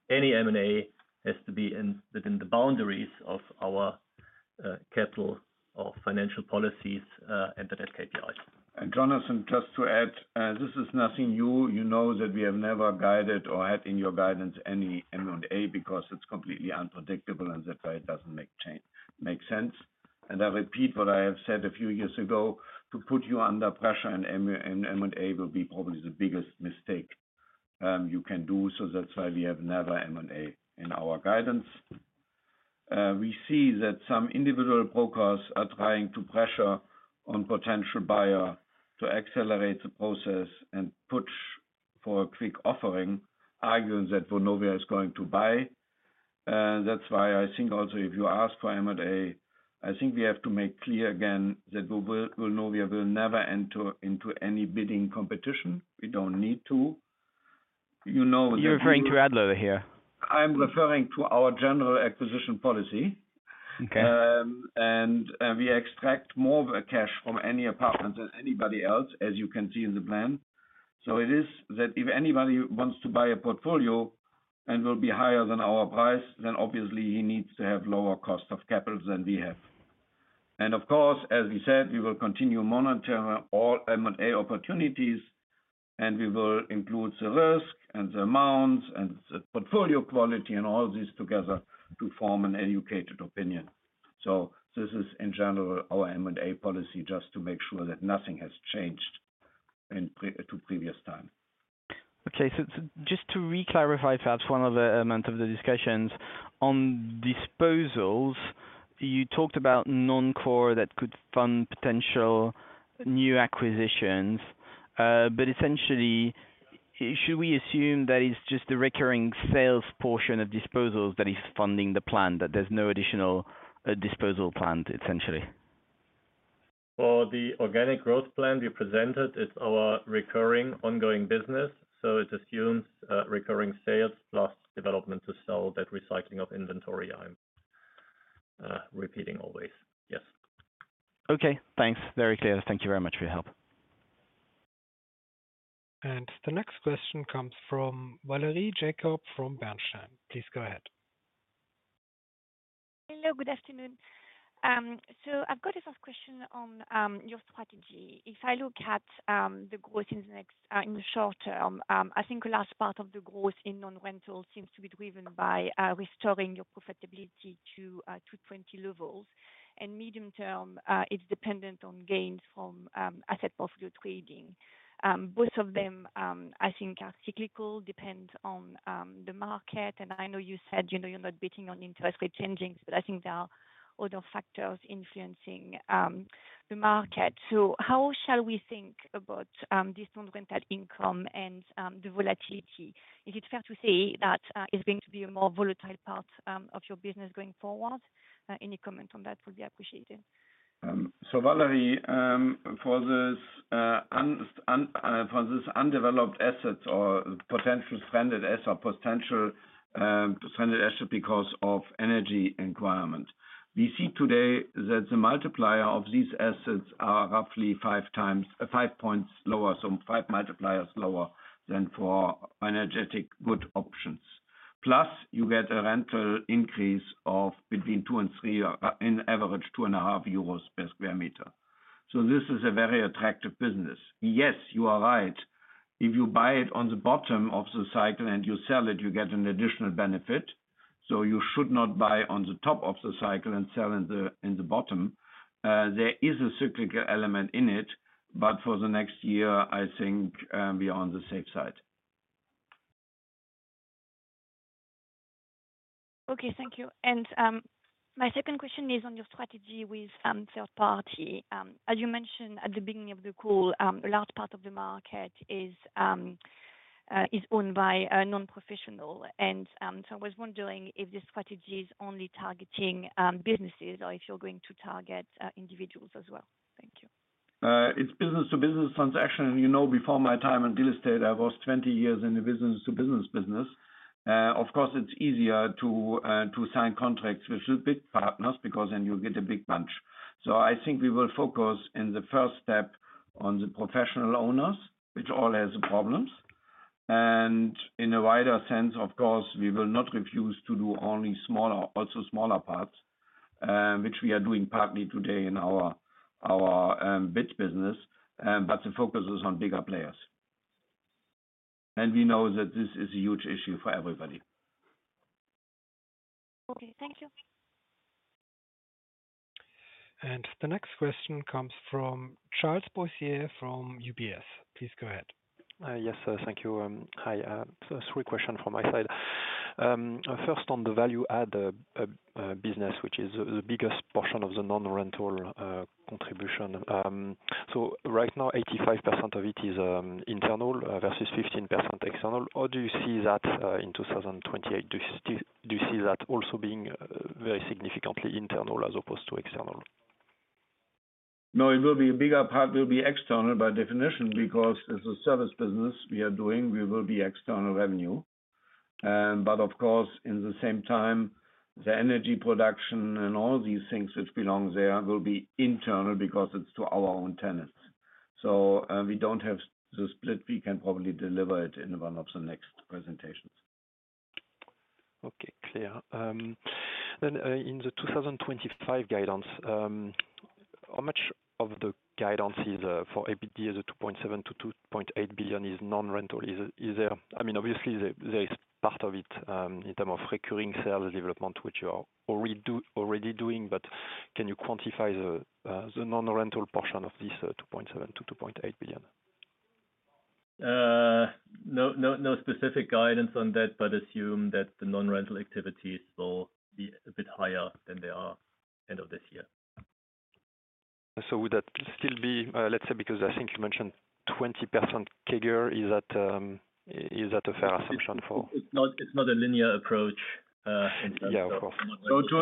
any M&A has to be within the boundaries of our capital or financial policies and the debt KPIs. And Jonathan, just to add, this is nothing new. You know that we have never guided or had in your guidance any M&A because it's completely unpredictable and that way it doesn't make sense. And I repeat what I have said a few years ago. To put you under pressure in M&A will be probably the biggest mistake you can do. So that's why we have never M&A in our guidance. We see that some individual brokers are trying to pressure on potential buyer to accelerate the process and push for a quick offering, arguing that Vonovia is going to buy. That's why I think also if you ask for M&A, I think we have to make clear again that Vonovia will never enter into any bidding competition. We don't need to. You're referring to Adler here? I'm referring to our general acquisition policy. We extract more cash from any apartments than anybody else, as you can see in the plan. So it is that if anybody wants to buy a portfolio and will be higher than our price, then obviously he needs to have lower cost of capital than we have. And of course, as we said, we will continue monitoring all M&A opportunities, and we will include the risk and the amounts and the portfolio quality and all these together to form an educated opinion. So this is, in general, our M&A policy just to make sure that nothing has changed to previous time. Okay. So just to reclarify perhaps one other element of the discussions. On disposals, you talked about non-core that could fund potential new acquisitions. But essentially, should we assume that it's just the recurring sales portion of disposals that is funding the plan, that there's no additional disposal planned, essentially? For the organic growth plan we presented, it's our recurring ongoing business. So it assumes recurring sales plus development to sell that recycling of inventory. I'm repeating always. Yes. Okay. Thanks. Very clear. Thank you very much for your help. The next question comes from Valerie Jacob from Bernstein. Please go ahead. Hello. Good afternoon. So I've got a first question on your strategy. If I look at the growth in the short term, I think a large part of the growth in non-rental seems to be driven by restoring your profitability to 2020 levels. And medium term, it's dependent on gains from asset portfolio trading. Both of them, I think, are cyclical, depend on the market. And I know you said you're not betting on interest rate changes, but I think there are other factors influencing the market. So how shall we think about this non-rental income and the volatility? Is it fair to say that it's going to be a more volatile part of your business going forward? Any comment on that would be appreciated. So Valerie, for these undeveloped assets or potential stranded assets because of energy requirement, we see today that the multiplier of these assets are roughly 5 points lower, so five multipliers lower than for energetic good options. Plus, you get a rental increase of between 2 and 3, on average, 2.5 euros per sq m. So this is a very attractive business. Yes, you are right. If you buy it on the bottom of the cycle and you sell it, you get an additional benefit. So you should not buy on the top of the cycle and sell in the bottom. There is a cyclical element in it, but for the next year, I think we are on the safe side. Okay. Thank you, and my second question is on your strategy with third party. As you mentioned at the beginning of the call, a large part of the market is owned by non-professionals, and so I was wondering if this strategy is only targeting businesses or if you're going to target individuals as well. Thank you. It's business-to-business transaction. You know, before my time in real estate, I was 20 years in the business-to-business business. Of course, it's easier to sign contracts with big partners because then you get a big bunch, so I think we will focus in the first step on the professional owners, which all have problems. And in a wider sense, of course, we will not refuse to do only smaller, also smaller parts, which we are doing partly today in our B2B business, but the focus is on bigger players, and we know that this is a huge issue for everybody. Okay. Thank you. And the next question comes from Charles Boissier from UBS. Please go ahead. Yes, thank you. Hi. Three questions from my side. First, on the value-add business, which is the biggest portion of the non-rental contribution. So right now, 85% of it is internal versus 15% external. How do you see that in 2028? Do you see that also being very significantly internal as opposed to external? No, it will be a bigger part will be external by definition because as a service business we are doing, we will be external revenue. But of course, in the same time, the energy production and all these things which belong there will be internal because it's to our own tenants. So we don't have the split. We can probably deliver it in one of the next presentations. Okay. Clear. Then in the 2025 guidance, how much of the guidance is for EBITDA is 2.7 billion-2.8 billion is non-rental? I mean, obviously, there is part of it in terms of recurring sales development, which you are already doing, but can you quantify the non-rental portion of this 2.7 billion-2.8 billion? No specific guidance on that, but assume that the non-rental activities will be a bit higher than they are end of this year. So would that still be, let's say, because I think you mentioned 20% CAGR, is that a fair assumption for? It's not a linear approach. Yeah, of course. So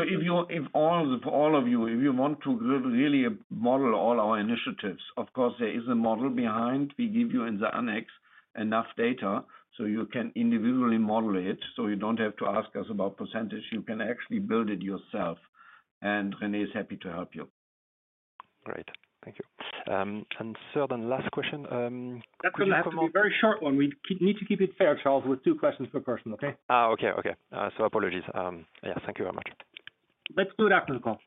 if all of you, if you want to really model all our initiatives, of course, there is a model behind. We give you in the annex enough data so you can individually model it. So you don't have to ask us about percentage. You can actually build it yourself. And Rene is happy to help you. Great. Thank you. And sir, then last question. That's going to have to be a very short one. We need to keep it fair, Charles, with two questions per person, okay? Okay, okay. So apologies. Yeah, thank you very much. Let's do it after the call.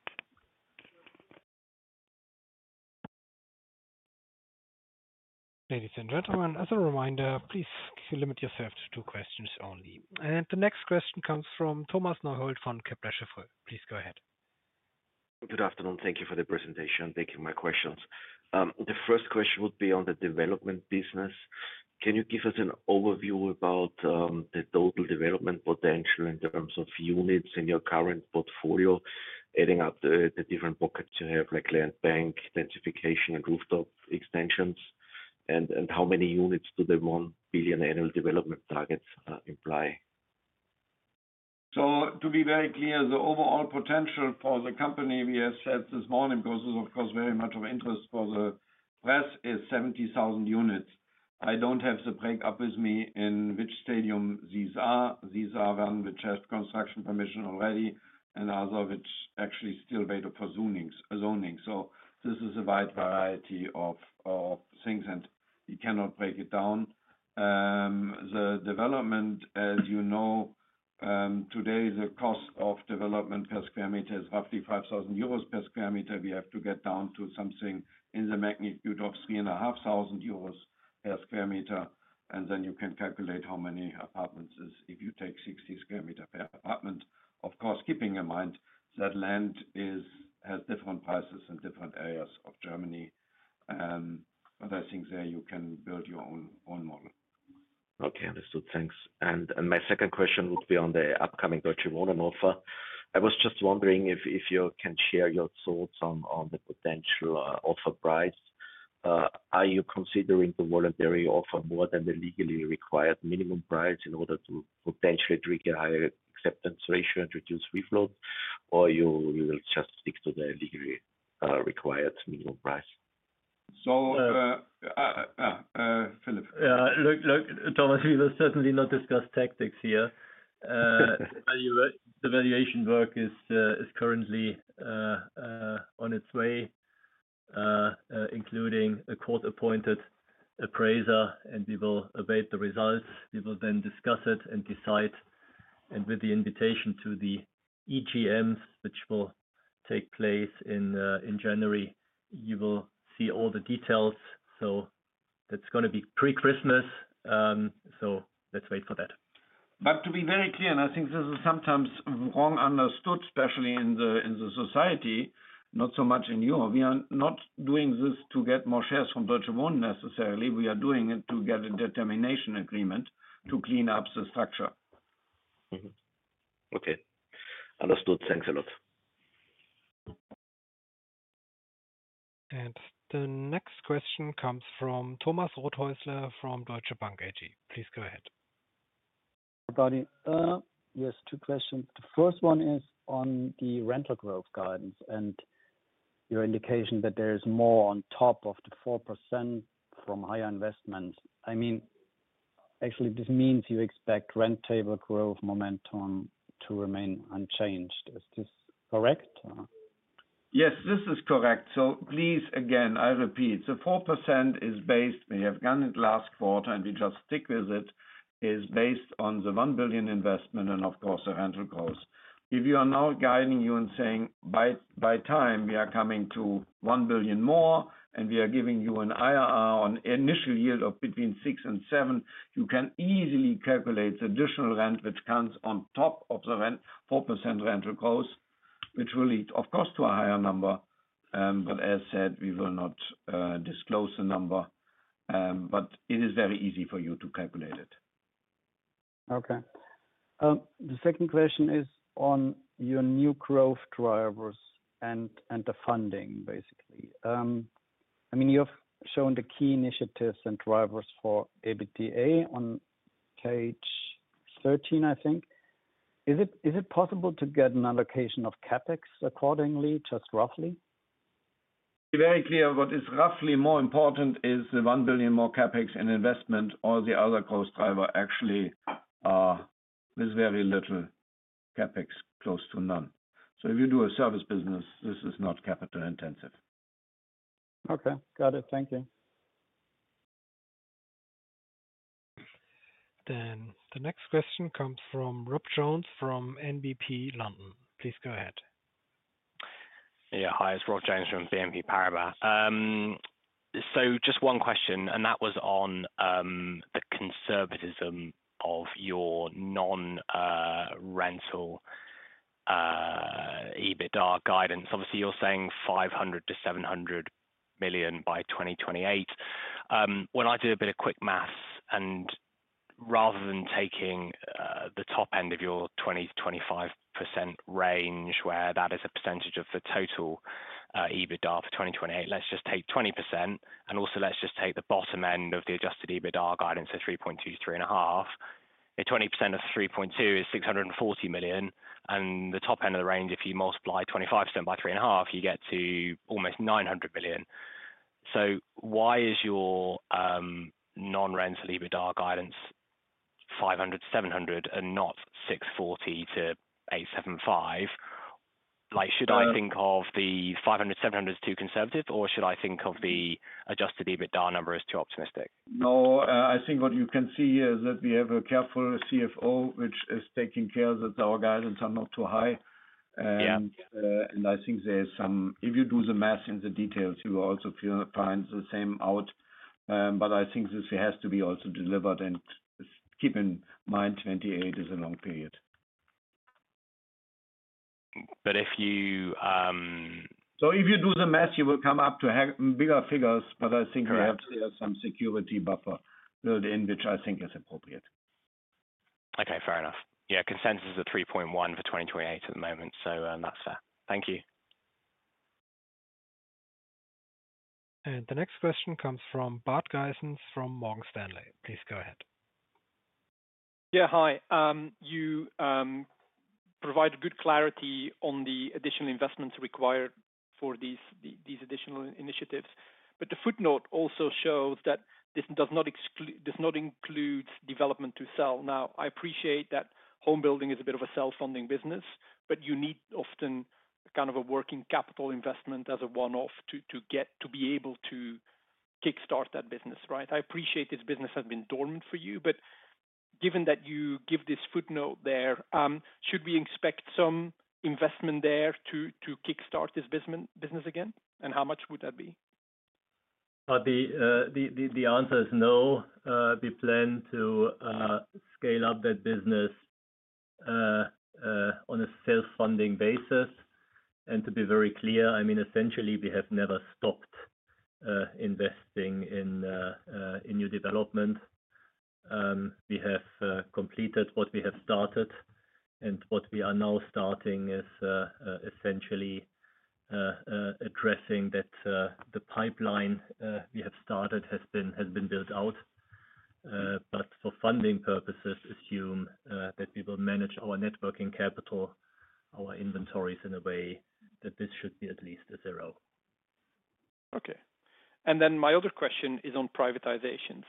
Ladies and gentlemen, as a reminder, please limit yourself to two questions only. And the next question comes from Thomas Neuhold from Kepler Cheuvreux. Please go ahead. Good afternoon. Thank you for the presentation. Thank you for my questions. The first question would be on the development business. Can you give us an overview about the total development potential in terms of units in your current portfolio, adding up the different pockets you have, like land bank, densification, and rooftop extensions? How many units do the 1 billion annual development targets imply? To be very clear, the overall potential for the company we have said this morning because it was, of course, very much of interest for the press is 70,000 units. I don't have the breakdown with me in which stage these are. These are ones which have construction permission already and others which actually still wait for zoning. This is a wide variety of things, and we cannot break it down. The development, as you know, today, the cost of development per square meter is roughly 5,000 euros per sq m. We have to get down to something in the magnitude of 3,500 euros per sq m. Then you can calculate how many apartments if you take 60 sq m per apartment. Of course, keeping in mind that land has different prices in different areas of Germany. But I think there you can build your own model. Okay. Understood. Thanks. And my second question would be on the upcoming Deutsche Wohnen offer. I was just wondering if you can share your thoughts on the potential offer price. Are you considering the voluntary offer more than the legally required minimum price in order to potentially trigger higher acceptance ratio and free float, or you will just stick to the legally required minimum price? So, Philip. Look, Thomas, we will certainly not discuss tactics here. The valuation work is currently on its way, including a court-appointed appraiser, and we will await the results. We will then discuss it and decide. And with the invitation to the EGMs, which will take place in January, you will see all the details. So that's going to be pre-Christmas. So let's wait for that. But to be very clear, and I think this is sometimes wrongly understood, especially in the society, not so much in Europe. We are not doing this to get more shares from Deutsche Wohnen necessarily. We are doing it to get a determination agreement to clean up the structure. Okay. Understood. Thanks a lot. And the next question comes from Thomas Rothausler from Deutsche Bank AG. Please go ahead. Hi, everybody. Yes, two questions. The first one is on the rental growth guidance and your indication that there is more on top of the 4% from higher investments. I mean, actually, this means you expect rentable growth momentum to remain unchanged. Is this correct? Yes, this is correct. So please, again, I repeat. The 4% is based; we have done it last quarter, and we just stick with it. It is based on the 1-billion investment and, of course, the rental growth. If you are now guiding you and saying, "By the time, we are coming to 1 billion more," and we are giving you an IRR on initial yield of between 6% and 7%, you can easily calculate additional rent which comes on top of the 4% rental growth, which will lead, of course, to a higher number. But as said, we will not disclose the number, but it is very easy for you to calculate it. Okay. The second question is on your new growth drivers and the funding, basically. I mean, you have shown the key initiatives and drivers for EBITDA on page 13, I think. Is it possible to get an allocation of CapEx accordingly, just roughly? To be very clear, what is roughly more important is the 1 billion more CapEx and investment, or the other growth driver actually is very little CapEx, close to none. So if you do a service business, this is not capital intensive. Okay. Got it. Thank you. Then the next question comes from Rob Jones from NBP London. Please go ahead. Yeah. Hi. It's Rob Jones from BNP Paribas. So just one question, and that was on the conservatism of your non-rental EBITDA guidance. Obviously, you're saying 500 million-700 million by 2028. When I do a bit of quick math, and rather than taking the top end of your 20%-25% range, where that is a percentage of the total EBITDA for 2028, let's just take 20%. And also, let's just take the bottom end of the adjusted EBITDA guidance at 3.2 billion-3.5 billion. At 20% of 3.2 billion is 640 million. And the top end of the range, if you multiply 25% by 3.5 billion, you get to almost 900 million. So why is your non-rental EBITDA guidance 500 million-700 million and not 640 million-875 million? Should I think of the 500 million-700 million as too conservative, or should I think of the adjusted EBITDA number as too optimistic? No, I think what you can see is that we have a careful CFO, which is taking care that our guidance are not too high. And I think there's some if you do the math in the details, you will also find the same out. But I think this has to be also delivered and keep in mind 2028 is a long period. But if you. So if you do the math, you will come up to bigger figures, but I think we have to have some security buffer built in, which I think is appropriate. Okay. Fair enough. Yeah. Consensus is 3.1 billion for 2028 at the moment. So that's fair. Thank you. And the next question comes from Bart Gysens from Morgan Stanley. Please go ahead. Yeah. Hi. You provide good clarity on the additional investments required for these additional initiatives. But the footnote also shows that this does not include development to sell. Now, I appreciate that home building is a bit of a self-funding business, but you need often kind of a working capital investment as a one-off to be able to kickstart that business, right? I appreciate this business has been dormant for you, but given that you give this footnote there, should we expect some investment there to kickstart this business again? And how much would that be? The answer is no. We plan to scale up that business on a self-funding basis. And to be very clear, I mean, essentially, we have never stopped investing in new development. We have completed what we have started. And what we are now starting is essentially addressing that the pipeline we have started has been built out. But for funding purposes, assume that we will manage our working capital, our inventories in a way that this should be at least a zero. Okay. And then my other question is on privatizations.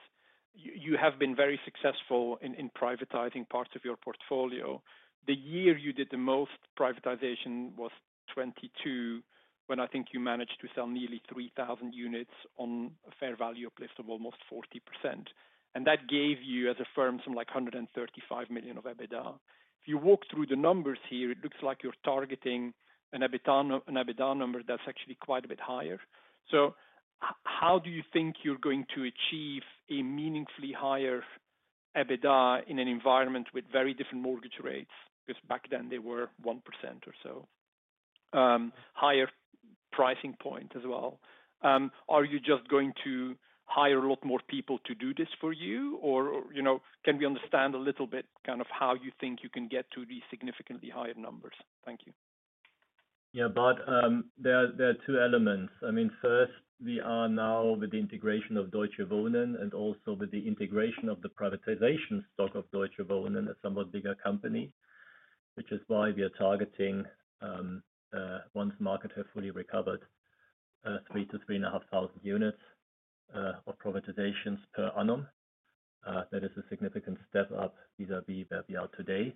You have been very successful in privatizing parts of your portfolio. The year you did the most privatization was 2022, when I think you managed to sell nearly 3,000 units on a fair value uplift of almost 40%. And that gave you, as a firm, some like 135 million of EBITDA. If you walk through the numbers here, it looks like you're targeting an EBITDA number that's actually quite a bit higher. So how do you think you're going to achieve a meaningfully higher EBITDA in an environment with very different mortgage rates? Because back then, they were 1% or so, higher pricing point as well. Are you just going to hire a lot more people to do this for you, or can we understand a little bit kind of how you think you can get to these significantly higher numbers? Thank you. Yeah, Bart. There are two elements. I mean, first, we are now with the integration of Deutsche Wohnen and also with the integration of the privatization stock of Deutsche Wohnen as a somewhat bigger company, which is why we are targeting, once market has fully recovered, 3,000 to 3,500 units of privatizations per annum. That is a significant step up vis-à-vis where we are today.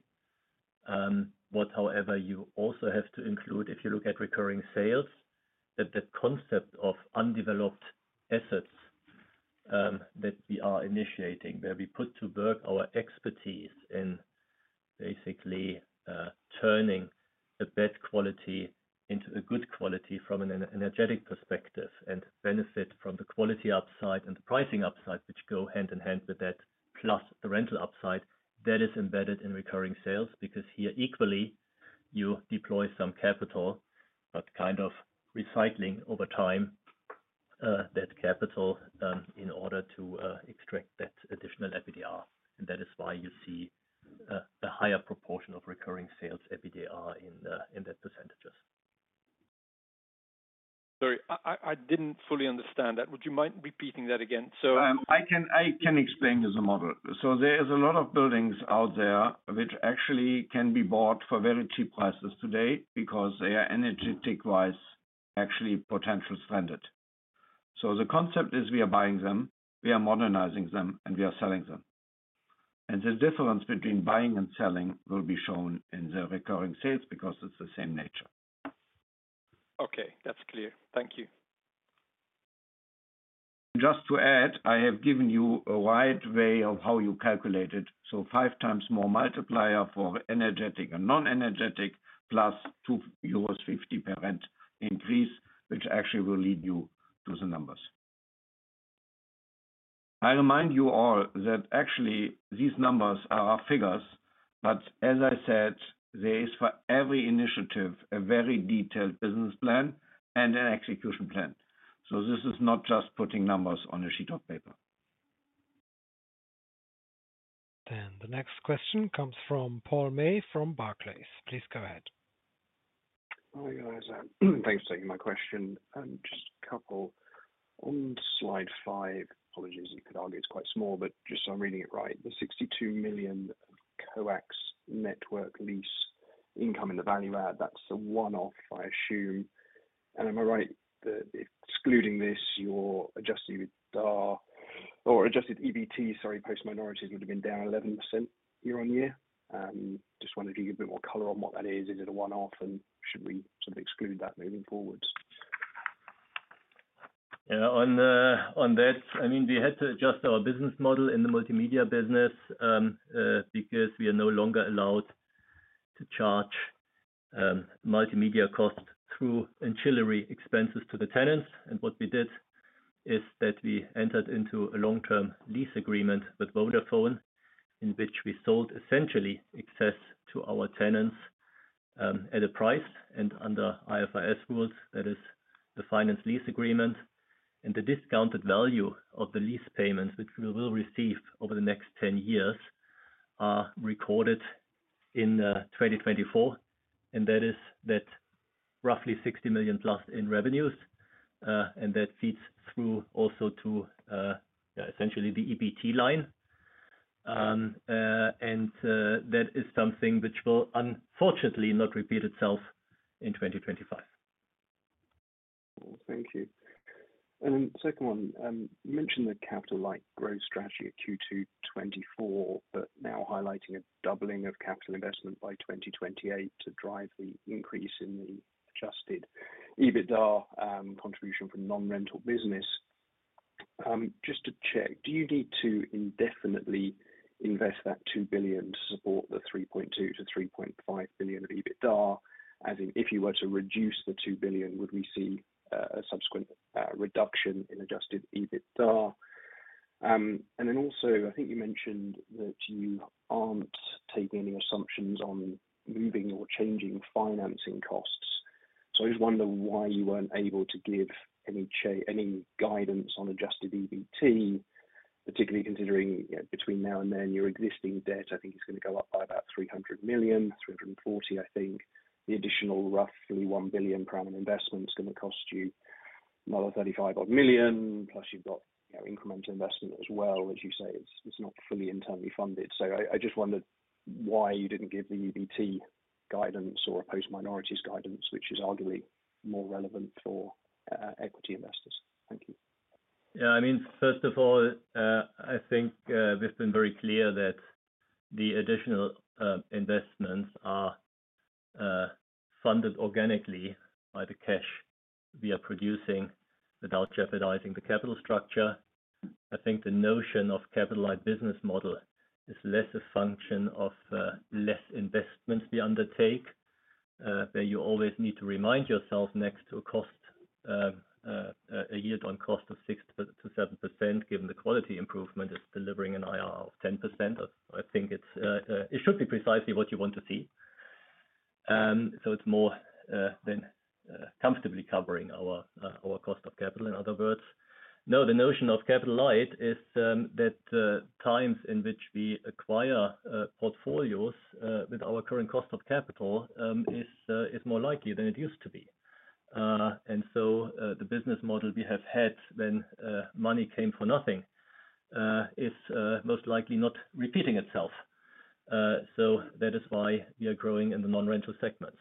What, however, you also have to include if you look at recurring sales, that concept of undeveloped assets that we are initiating, where we put to work our expertise in basically turning a bad quality into a good quality from an energetic perspective and benefit from the quality upside and the pricing upside, which go hand in hand with that, plus the rental upside, that is embedded in recurring sales. Because here, equally, you deploy some capital, but kind of recycling over time that capital in order to extract that additional EBITDA, and that is why you see a higher proportion of recurring sales EBITDA in that percentage. Sorry, I didn't fully understand that. Would you mind repeating that again? So, I can explain to you the model. So there is a lot of buildings out there which actually can be bought for very cheap prices today because they are energy-wise actually potentially stranded. So the concept is we are buying them, we are modernizing them, and we are selling them. And the difference between buying and selling will be shown in the recurring sales because it's the same nature. Okay. That's clear. Thank you. Just to add, I have given you a wide array of how you calculate it. So five times more multiplier for energetic and non-energetic, plus 2.50 euros per rent increase, which actually will lead you to the numbers. I remind you all that actually these numbers are figures, but as I said, there is for every initiative a very detailed business plan and an execution plan. So this is not just putting numbers on a sheet of paper. Then the next question comes from Paul May from Barclays. Please go ahead. Hi, guys. Thanks for taking my question. Just a couple on slide 5. Apologies, you could argue it's quite small, but just so I'm reading it right, the 62 million COEX network lease income in the value-add, that's the one-off, I assume. And am I right that excluding this, your adjusted EBT, sorry, post-minorities would have been down 11% year-on-year? Just wanted to give you a bit more color on what that is. Is it a one-off, and should we sort of exclude that moving forward? Yeah. On that, I mean, we had to adjust our business model in the multimedia business because we are no longer allowed to charge multimedia costs through ancillary expenses to the tenants. And what we did is that we entered into a long-term lease agreement with Vodafone, in which we sold essentially access to our tenants at a price and under IFRS rules, that is the finance lease agreement. And the discounted value of the lease payment, which we will receive over the next 10 years, are recorded in 2024. And that is that roughly 60 million+ in revenues. And that feeds through also to, yeah, essentially the EBT line. And that is something which will unfortunately not repeat itself in 2025. Thank you. And second one, you mentioned the capital-like growth strategy at Q2 2024, but now highlighting a doubling of capital investment by 2028 to drive the increase in the adjusted EBITDA contribution for non-rental business. Just to check, do you need to indefinitely invest that 2 billion to support the 3.2 billion-3.5 billion of EBITDA? As in, if you were to reduce the 2 billion, would we see a subsequent reduction in adjusted EBITDA? And then also, I think you mentioned that you aren't taking any assumptions on moving or changing financing costs. So I just wonder why you weren't able to give any guidance on adjusted EBT, particularly considering between now and then, your existing debt, I think, is going to go up by about 300 million, 340 million, I think. The additional roughly 1 billion-per-annum investment is going to cost you another 35-odd million, plus you've got incremental investment as well. As you say, it's not fully internally funded. So I just wondered why you didn't give the EBT guidance or a post-minorities guidance, which is arguably more relevant for equity investors. Thank you. Yeah. I mean, first of all, I think we've been very clear that the additional investments are funded organically by the cash we are producing without jeopardizing the capital structure. I think the notion of capital-like business model is less a function of less investments we undertake, where you always need to remind yourself next to a cost, a yield on cost of 6%-7%, given the quality improvement is delivering an IRR of 10%. So I think it should be precisely what you want to see. So it's more than comfortably covering our cost of capital, in other words. No, the notion of capital light is that times in which we acquire portfolios with our current cost of capital is more likely than it used to be. And so the business model we have had when money came for nothing is most likely not repeating itself. So that is why we are growing in the non-rental segments.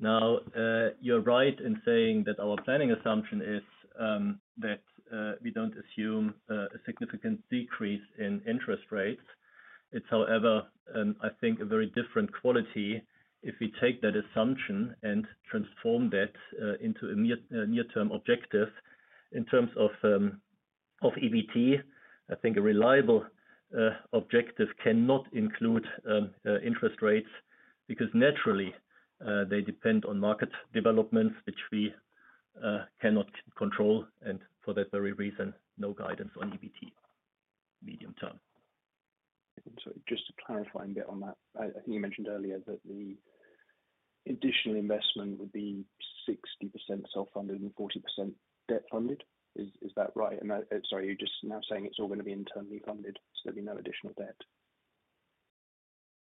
Now, you're right in saying that our planning assumption is that we don't assume a significant decrease in interest rates. It's, however, I think, a very different quality if we take that assumption and transform that into a near-term objective. In terms of EBT, I think a reliable objective cannot include interest rates because naturally, they depend on market developments, which we cannot control. And for that very reason, no guidance on EBT medium term. Sorry, just to clarify a bit on that. I think you mentioned earlier that the additional investment would be 60% self-funded and 40% debt-funded. Is that right? And sorry, you're just now saying it's all going to be internally funded, so there'll be no additional debt.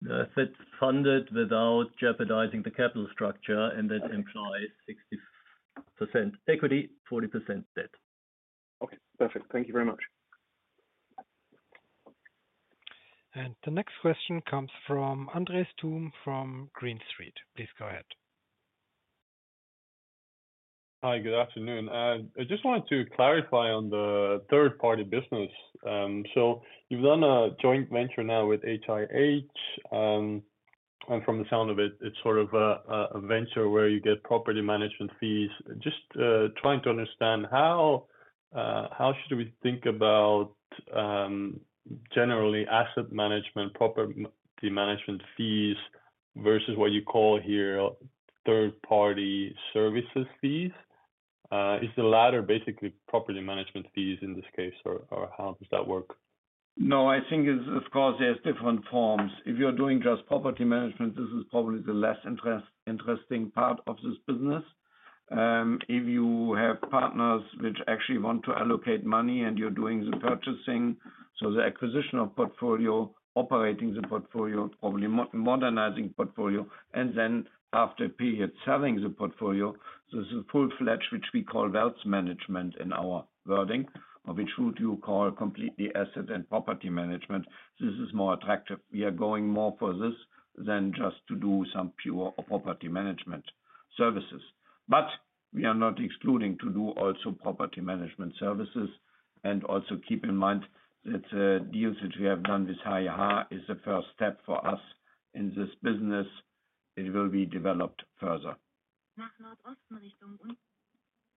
That's it. Funded without jeopardizing the capital structure, and that implies 60% equity, 40% debt. Okay. Perfect. Thank you very much. And the next question comes from Andres Toome from Green Street. Please go ahead. Hi, good afternoon. I just wanted to clarify on the third-party business. So you've done a joint venture now with HIH. And from the sound of it, it's sort of a venture where you get property management fees. Just trying to understand how should we think about generally asset management, property management fees versus what you call here third-party services fees? Is the latter basically property management fees in this case, or how does that work? No, I think, of course, there's different forms. If you're doing just property management, this is probably the less interesting part of this business. If you have partners which actually want to allocate money and you're doing the purchasing, so the acquisition of portfolio, operating the portfolio, probably modernizing portfolio, and then after a period, selling the portfolio, this is full-fledged, which we call wealth management in our wording, which would you call completely asset and property management. This is more attractive. We are going more for this than just to do some pure property management services. But we are not excluding to do also property management services. And also keep in mind that the deals that we have done with HIH is the first step for us in this business. It will be developed further.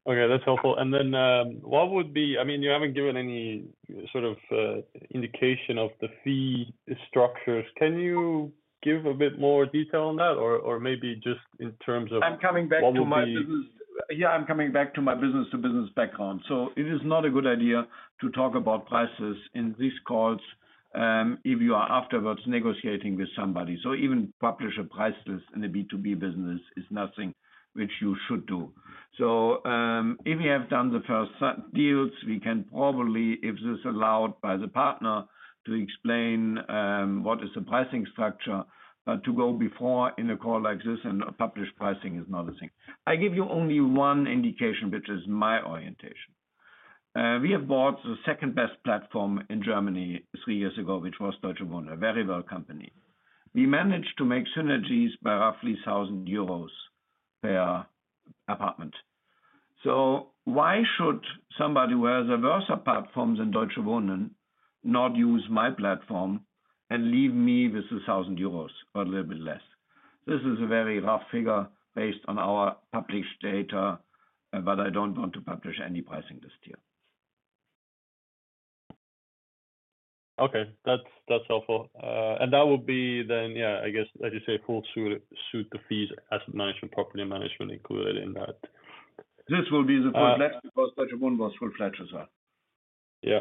Okay, that's helpful. And then what would be? I mean, you haven't given any sort of indication of the fee structures. Can you give a bit more detail on that, or maybe just in terms of. I'm coming back to my business. Yeah, I'm coming back to my business-to-business background. So it is not a good idea to talk about prices in these calls if you are afterwards negotiating with somebody. So even publish a price list in a B2B business is nothing which you should do. So if you have done the first deals, we can probably, if this is allowed by the partner, explain what is the pricing structure. But to go before in a call like this and publish pricing is not a thing. I give you only one indication, which is my orientation. We have bought the second-best platform in Germany three years ago, which was Deutsche Wohnen, a very well company. We managed to make synergies by roughly 1,000 euros per apartment. So why should somebody who has a worse platform than Deutsche Wohnen not use my platform and leave me with 1,000 euros or a little bit less? This is a very rough figure based on our published data, but I don't want to publish any pricing this year. Okay, that's helpful. And that would be then, yeah, I guess, as you say, full suite of fees, asset management, property management included in that. This will be the full-fledged because Deutsche Wohnen was full-fledged as well. Yeah,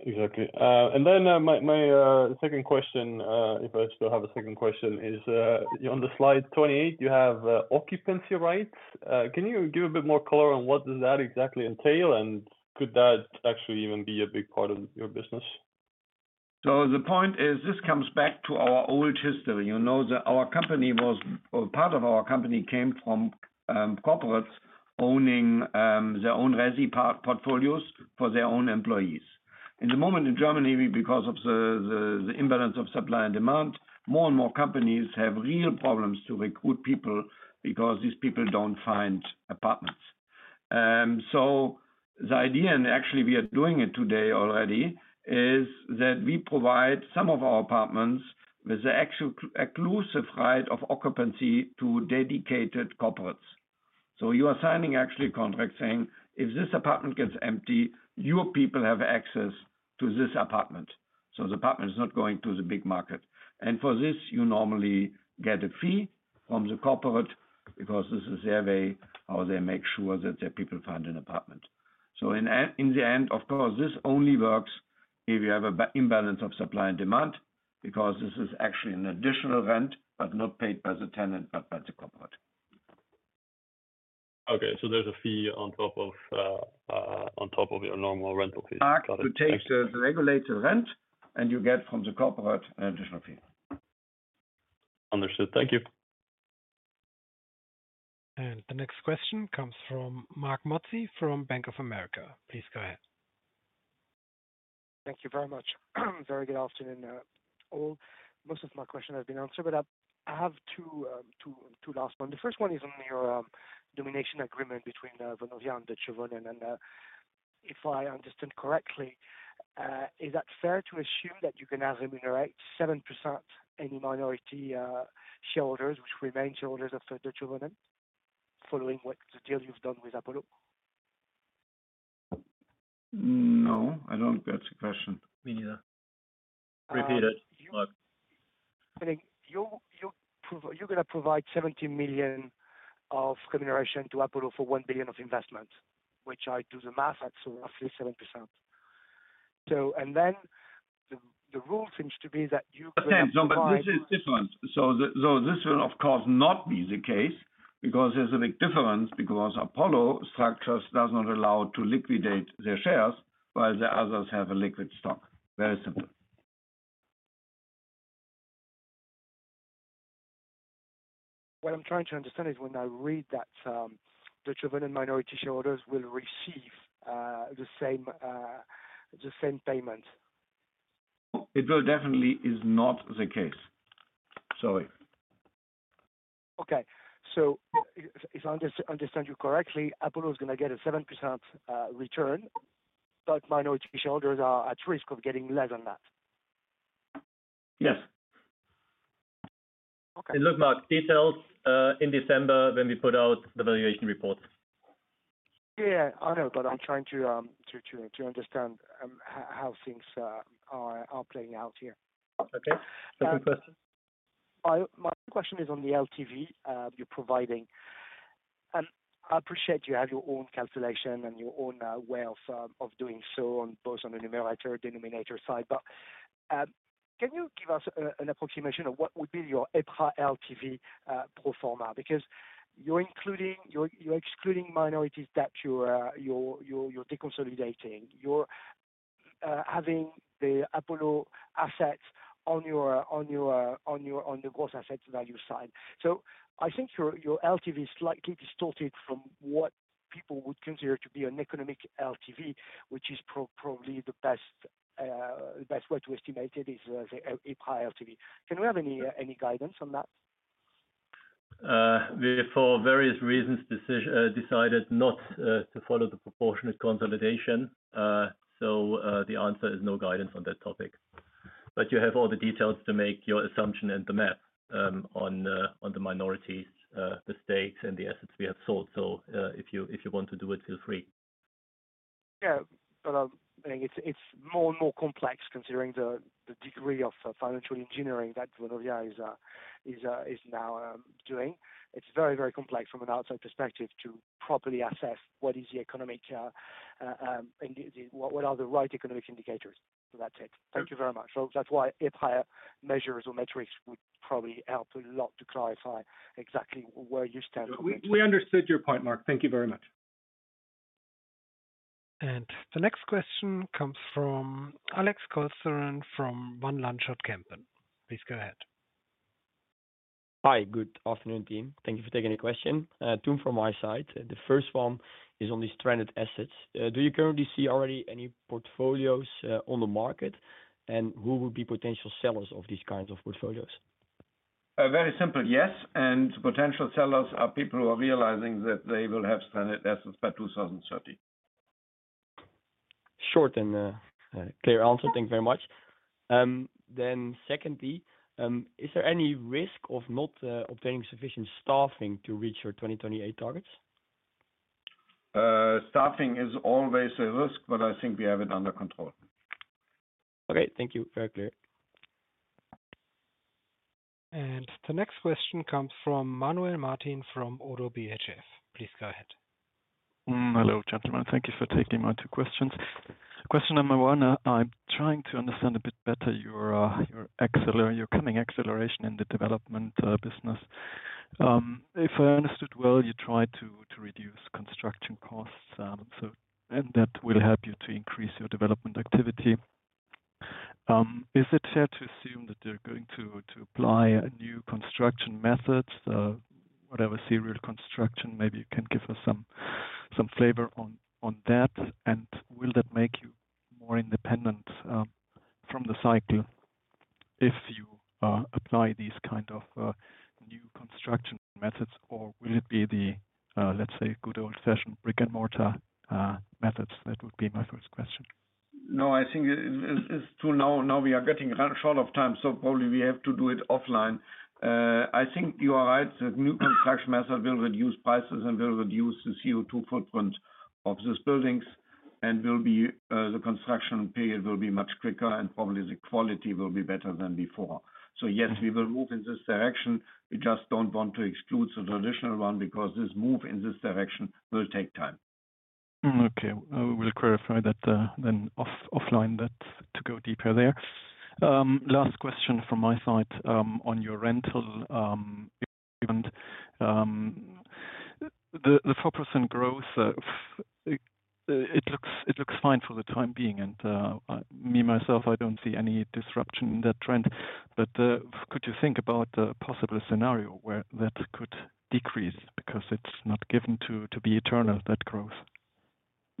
exactly. And then my second question, if I still have a second question, is on the slide 28, you have occupancy rights. Can you give a bit more color on what does that exactly entail, and could that actually even be a big part of your business? So the point is this comes back to our old history. Part of our company came from corporates owning their own resi portfolios for their own employees. In the moment in Germany, because of the imbalance of supply and demand, more and more companies have real problems to recruit people because these people don't find apartments. So the idea, and actually we are doing it today already, is that we provide some of our apartments with the exclusive right of occupancy to dedicated corporates. So you are signing actually a contract saying, "If this apartment gets empty, your people have access to this apartment." So the apartment is not going to the big market. And for this, you normally get a fee from the corporate because this is their way how they make sure that their people find an apartment. So in the end, of course, this only works if you have an imbalance of supply and demand because this is actually an additional rent, but not paid by the tenant, but by the corporate. Okay, so there's a fee on top of your normal rental fees. To take the regulated rent, and you get from the corporate an additional fee. Understood. Thank you. And the next question comes from Marc Mozzi from Bank of America. Please go ahead. Thank you very much. Very good afternoon, all. Most of my questions have been answered, but I have two last ones. The first one is on your domination agreement between Vonovia and Deutsche Wohnen. And if I understood correctly, is that fair to assume that you can remunerate 7% any minority shareholders, which remain shareholders of Deutsche Wohnen, following what the deal you've done with Apollo? No, I don't get the question. Me neither. Repeat it, Marc. You're going to provide 17 million of remuneration to Apollo for 1 billion of investment, which I do the math at roughly 7%. And then the rule seems to be that you can. Okay, but this is different. So this will, of course, not be the case because there's a big difference because Apollo's structures do not allow to liquidate their shares while the others have a liquid stock. Very simple. What I'm trying to understand is when I read that Deutsche Wohnen minority shareholders will receive the same payment. It definitely is not the case. Sorry. Okay. So if I understand you correctly, Apollo is going to get a 7% return, but minority shareholders are at risk of getting less than that. Yes. It looked like details in December when we put out the valuation report. Yeah, I know, but I'm trying to understand how things are playing out here. Okay. Second question. My question is on the LTV you're providing. I appreciate you have your own calculation and your own way of doing so, both on the numerator denominator side. But can you give us an approximation of what would be your EPRA LTV pro forma? Because you're excluding minorities that you're deconsolidating. You're having the Apollo assets on your gross asset value side. So I think your LTV is slightly distorted from what people would consider to be an economic LTV, which is probably the best way to estimate it is the EPRA LTV. Can we have any guidance on that? We have, for various reasons, decided not to follow the proportionate consolidation. So the answer is no guidance on that topic. But you have all the details to make your assumption and the math on the minorities, the stakes, and the assets we have sold. So if you want to do it, feel free. Yeah, but I think it's more and more complex considering the degree of financial engineering that Vonovia is now doing. It's very, very complex from an outside perspective to properly assess what is the economic and what are the right economic indicators. That's it. Thank you very much. So that's why EPRA measures or metrics would probably help a lot to clarify exactly where you stand on this. We understood your point, Marc. Thank you very much. And the next question comes from Alex Kolsteren from Van Lanschot Kempen. Please go ahead. Hi, good afternoon, team. Thank you for taking the question. Two from my side. The first one is on these stranded assets. Do you currently see already any portfolios on the market, and who would be potential sellers of these kinds of portfolios? Very simple, yes. And potential sellers are people who are realizing that they will have stranded assets by 2030. Short and clear answer. Thank you very much. Then secondly, is there any risk of not obtaining sufficient staffing to reach your 2028 targets? Staffing is always a risk, but I think we have it under control. Okay, thank you. Very clear. And the next question comes from Manuel Martin from ODDO BHF. Please go ahead. Hello, gentlemen. Thank you for taking my two questions. Question number one, I'm trying to understand a bit better your coming acceleration in the development business. If I understood well, you try to reduce construction costs, and that will help you to increase your development activity. Is it fair to assume that you're going to apply a new construction method, whatever serial construction? Maybe you can give us some flavor on that, and will that make you more independent from the cycle if you apply these kind of new construction methods, or will it be the, let's say, good old-fashioned brick-and-mortar methods? That would be my first question. No, I think now we are getting short of time, so probably we have to do it offline. I think you are right. The new construction method will reduce prices and will reduce the CO2 footprint of these buildings, and the construction period will be much quicker, and probably the quality will be better than before, so yes, we will move in this direction. We just don't want to exclude the traditional one because this move in this direction will take time. Okay. We'll clarify that then offline to go deeper there. Last question from my side on your rental agreement. The 4% growth, it looks fine for the time being. And me myself, I don't see any disruption in that trend. But could you think about a possible scenario where that could decrease because it's not given to be eternal, that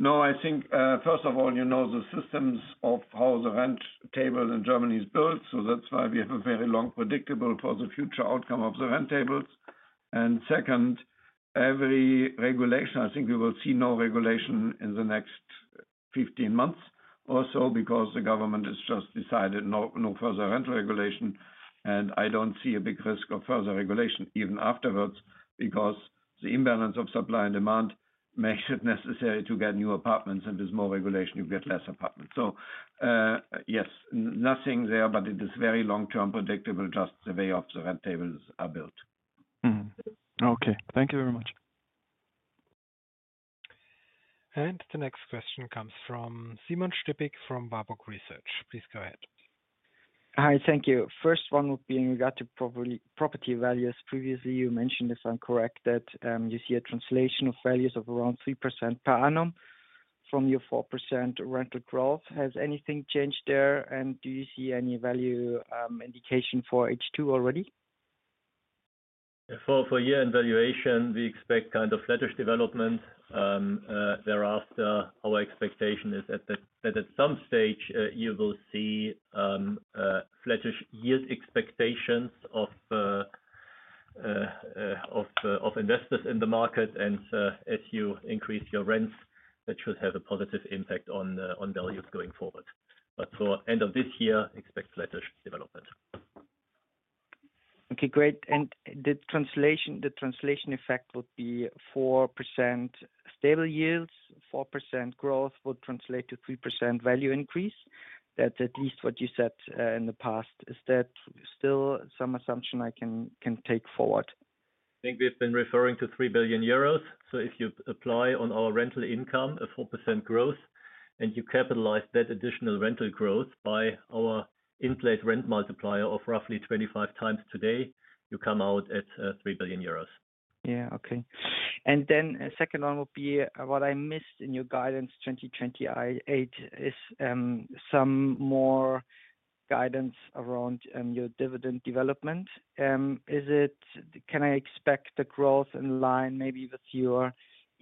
growth? No, I think, first of all, you know the systems of how the rent table in Germany is built. So that's why we have a very long predictable for the future outcome of the rent tables. And second, every regulation, I think we will see no regulation in the next 15 months or so because the government has just decided no further rental regulation. And I don't see a big risk of further regulation even afterwards because the imbalance of supply and demand makes it necessary to get new apartments. And with more regulation, you get less apartments. So yes, nothing there, but it is very long-term predictable just the way of the rent tables are built. Okay. Thank you very much. And the next question comes from Simon Stippig from Warburg Research. Please go ahead. Hi, thank you. First one would be in regard to property values. Previously, you mentioned, if I'm correct, that you see a translation of values of around 3% per annum from your 4% rental growth. Has anything changed there, and do you see any value indication for H2 already? For year-end valuation, we expect kind of flattish development. Thereafter, our expectation is that at some stage, you will see flattish yield expectations of investors in the market. As you increase your rents, that should have a positive impact on values going forward. But for end of this year, expect flattish development. Okay, great. And the translation effect would be 4% stable yields, 4% growth would translate to 3% value increase. That's at least what you said in the past. Is that still some assumption I can take forward? I think we've been referring to 3 billion euros. So if you apply on our rental income a 4% growth, and you capitalize that additional rental growth by our inflate rent multiplier of roughly 25 times today, you come out at 3 billion euros. Yeah, okay. And then the second one would be what I missed in your guidance 2028 is some more guidance around your dividend development. Can I expect the growth in line maybe with your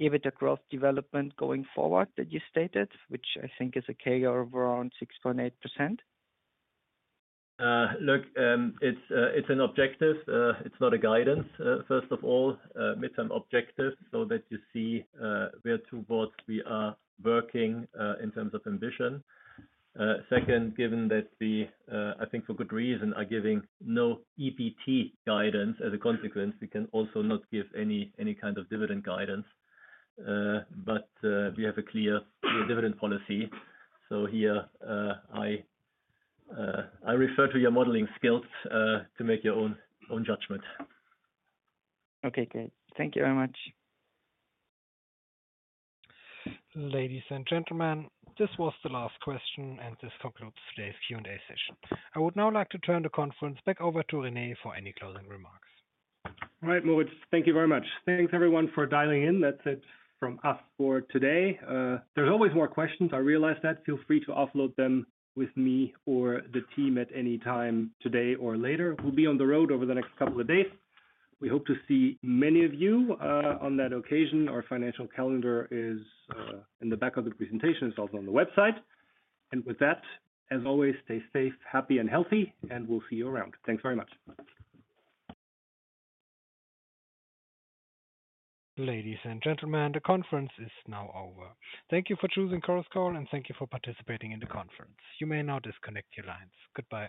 EBITDA growth development going forward that you stated, which I think is a CAGR of around 6.8%? Look, it's an objective. It's not a guidance, first of all, midterm objective so that you see where towards we are working in terms of ambition. Second, given that we, I think for good reason, are giving no EBT guidance, as a consequence, we can also not give any kind of dividend guidance. But we have a clear dividend policy. So here, I refer to your modeling skills to make your own judgment. Okay, great. Thank you very much. Ladies and gentlemen, this was the last question, and this concludes today's Q&A session. I would now like to turn the conference back over to Rene for any closing remarks. All right, [Moritz]. Thank you very much. Thanks, everyone, for dialing in. That's it from us for today. There's always more questions. I realize that. Feel free to offload them with me or the team at any time today or later. We'll be on the road over the next couple of days. We hope to see many of you on that occasion. Our financial calendar is in the back of the presentation. It's also on the website. And with that, as always, stay safe, happy, and healthy, and we'll see you around. Thanks very much. Ladies and gentlemen, the conference is now over. Thank you for choosing Chorus Call, and thank you for participating in the conference. You may now disconnect your lines. Goodbye.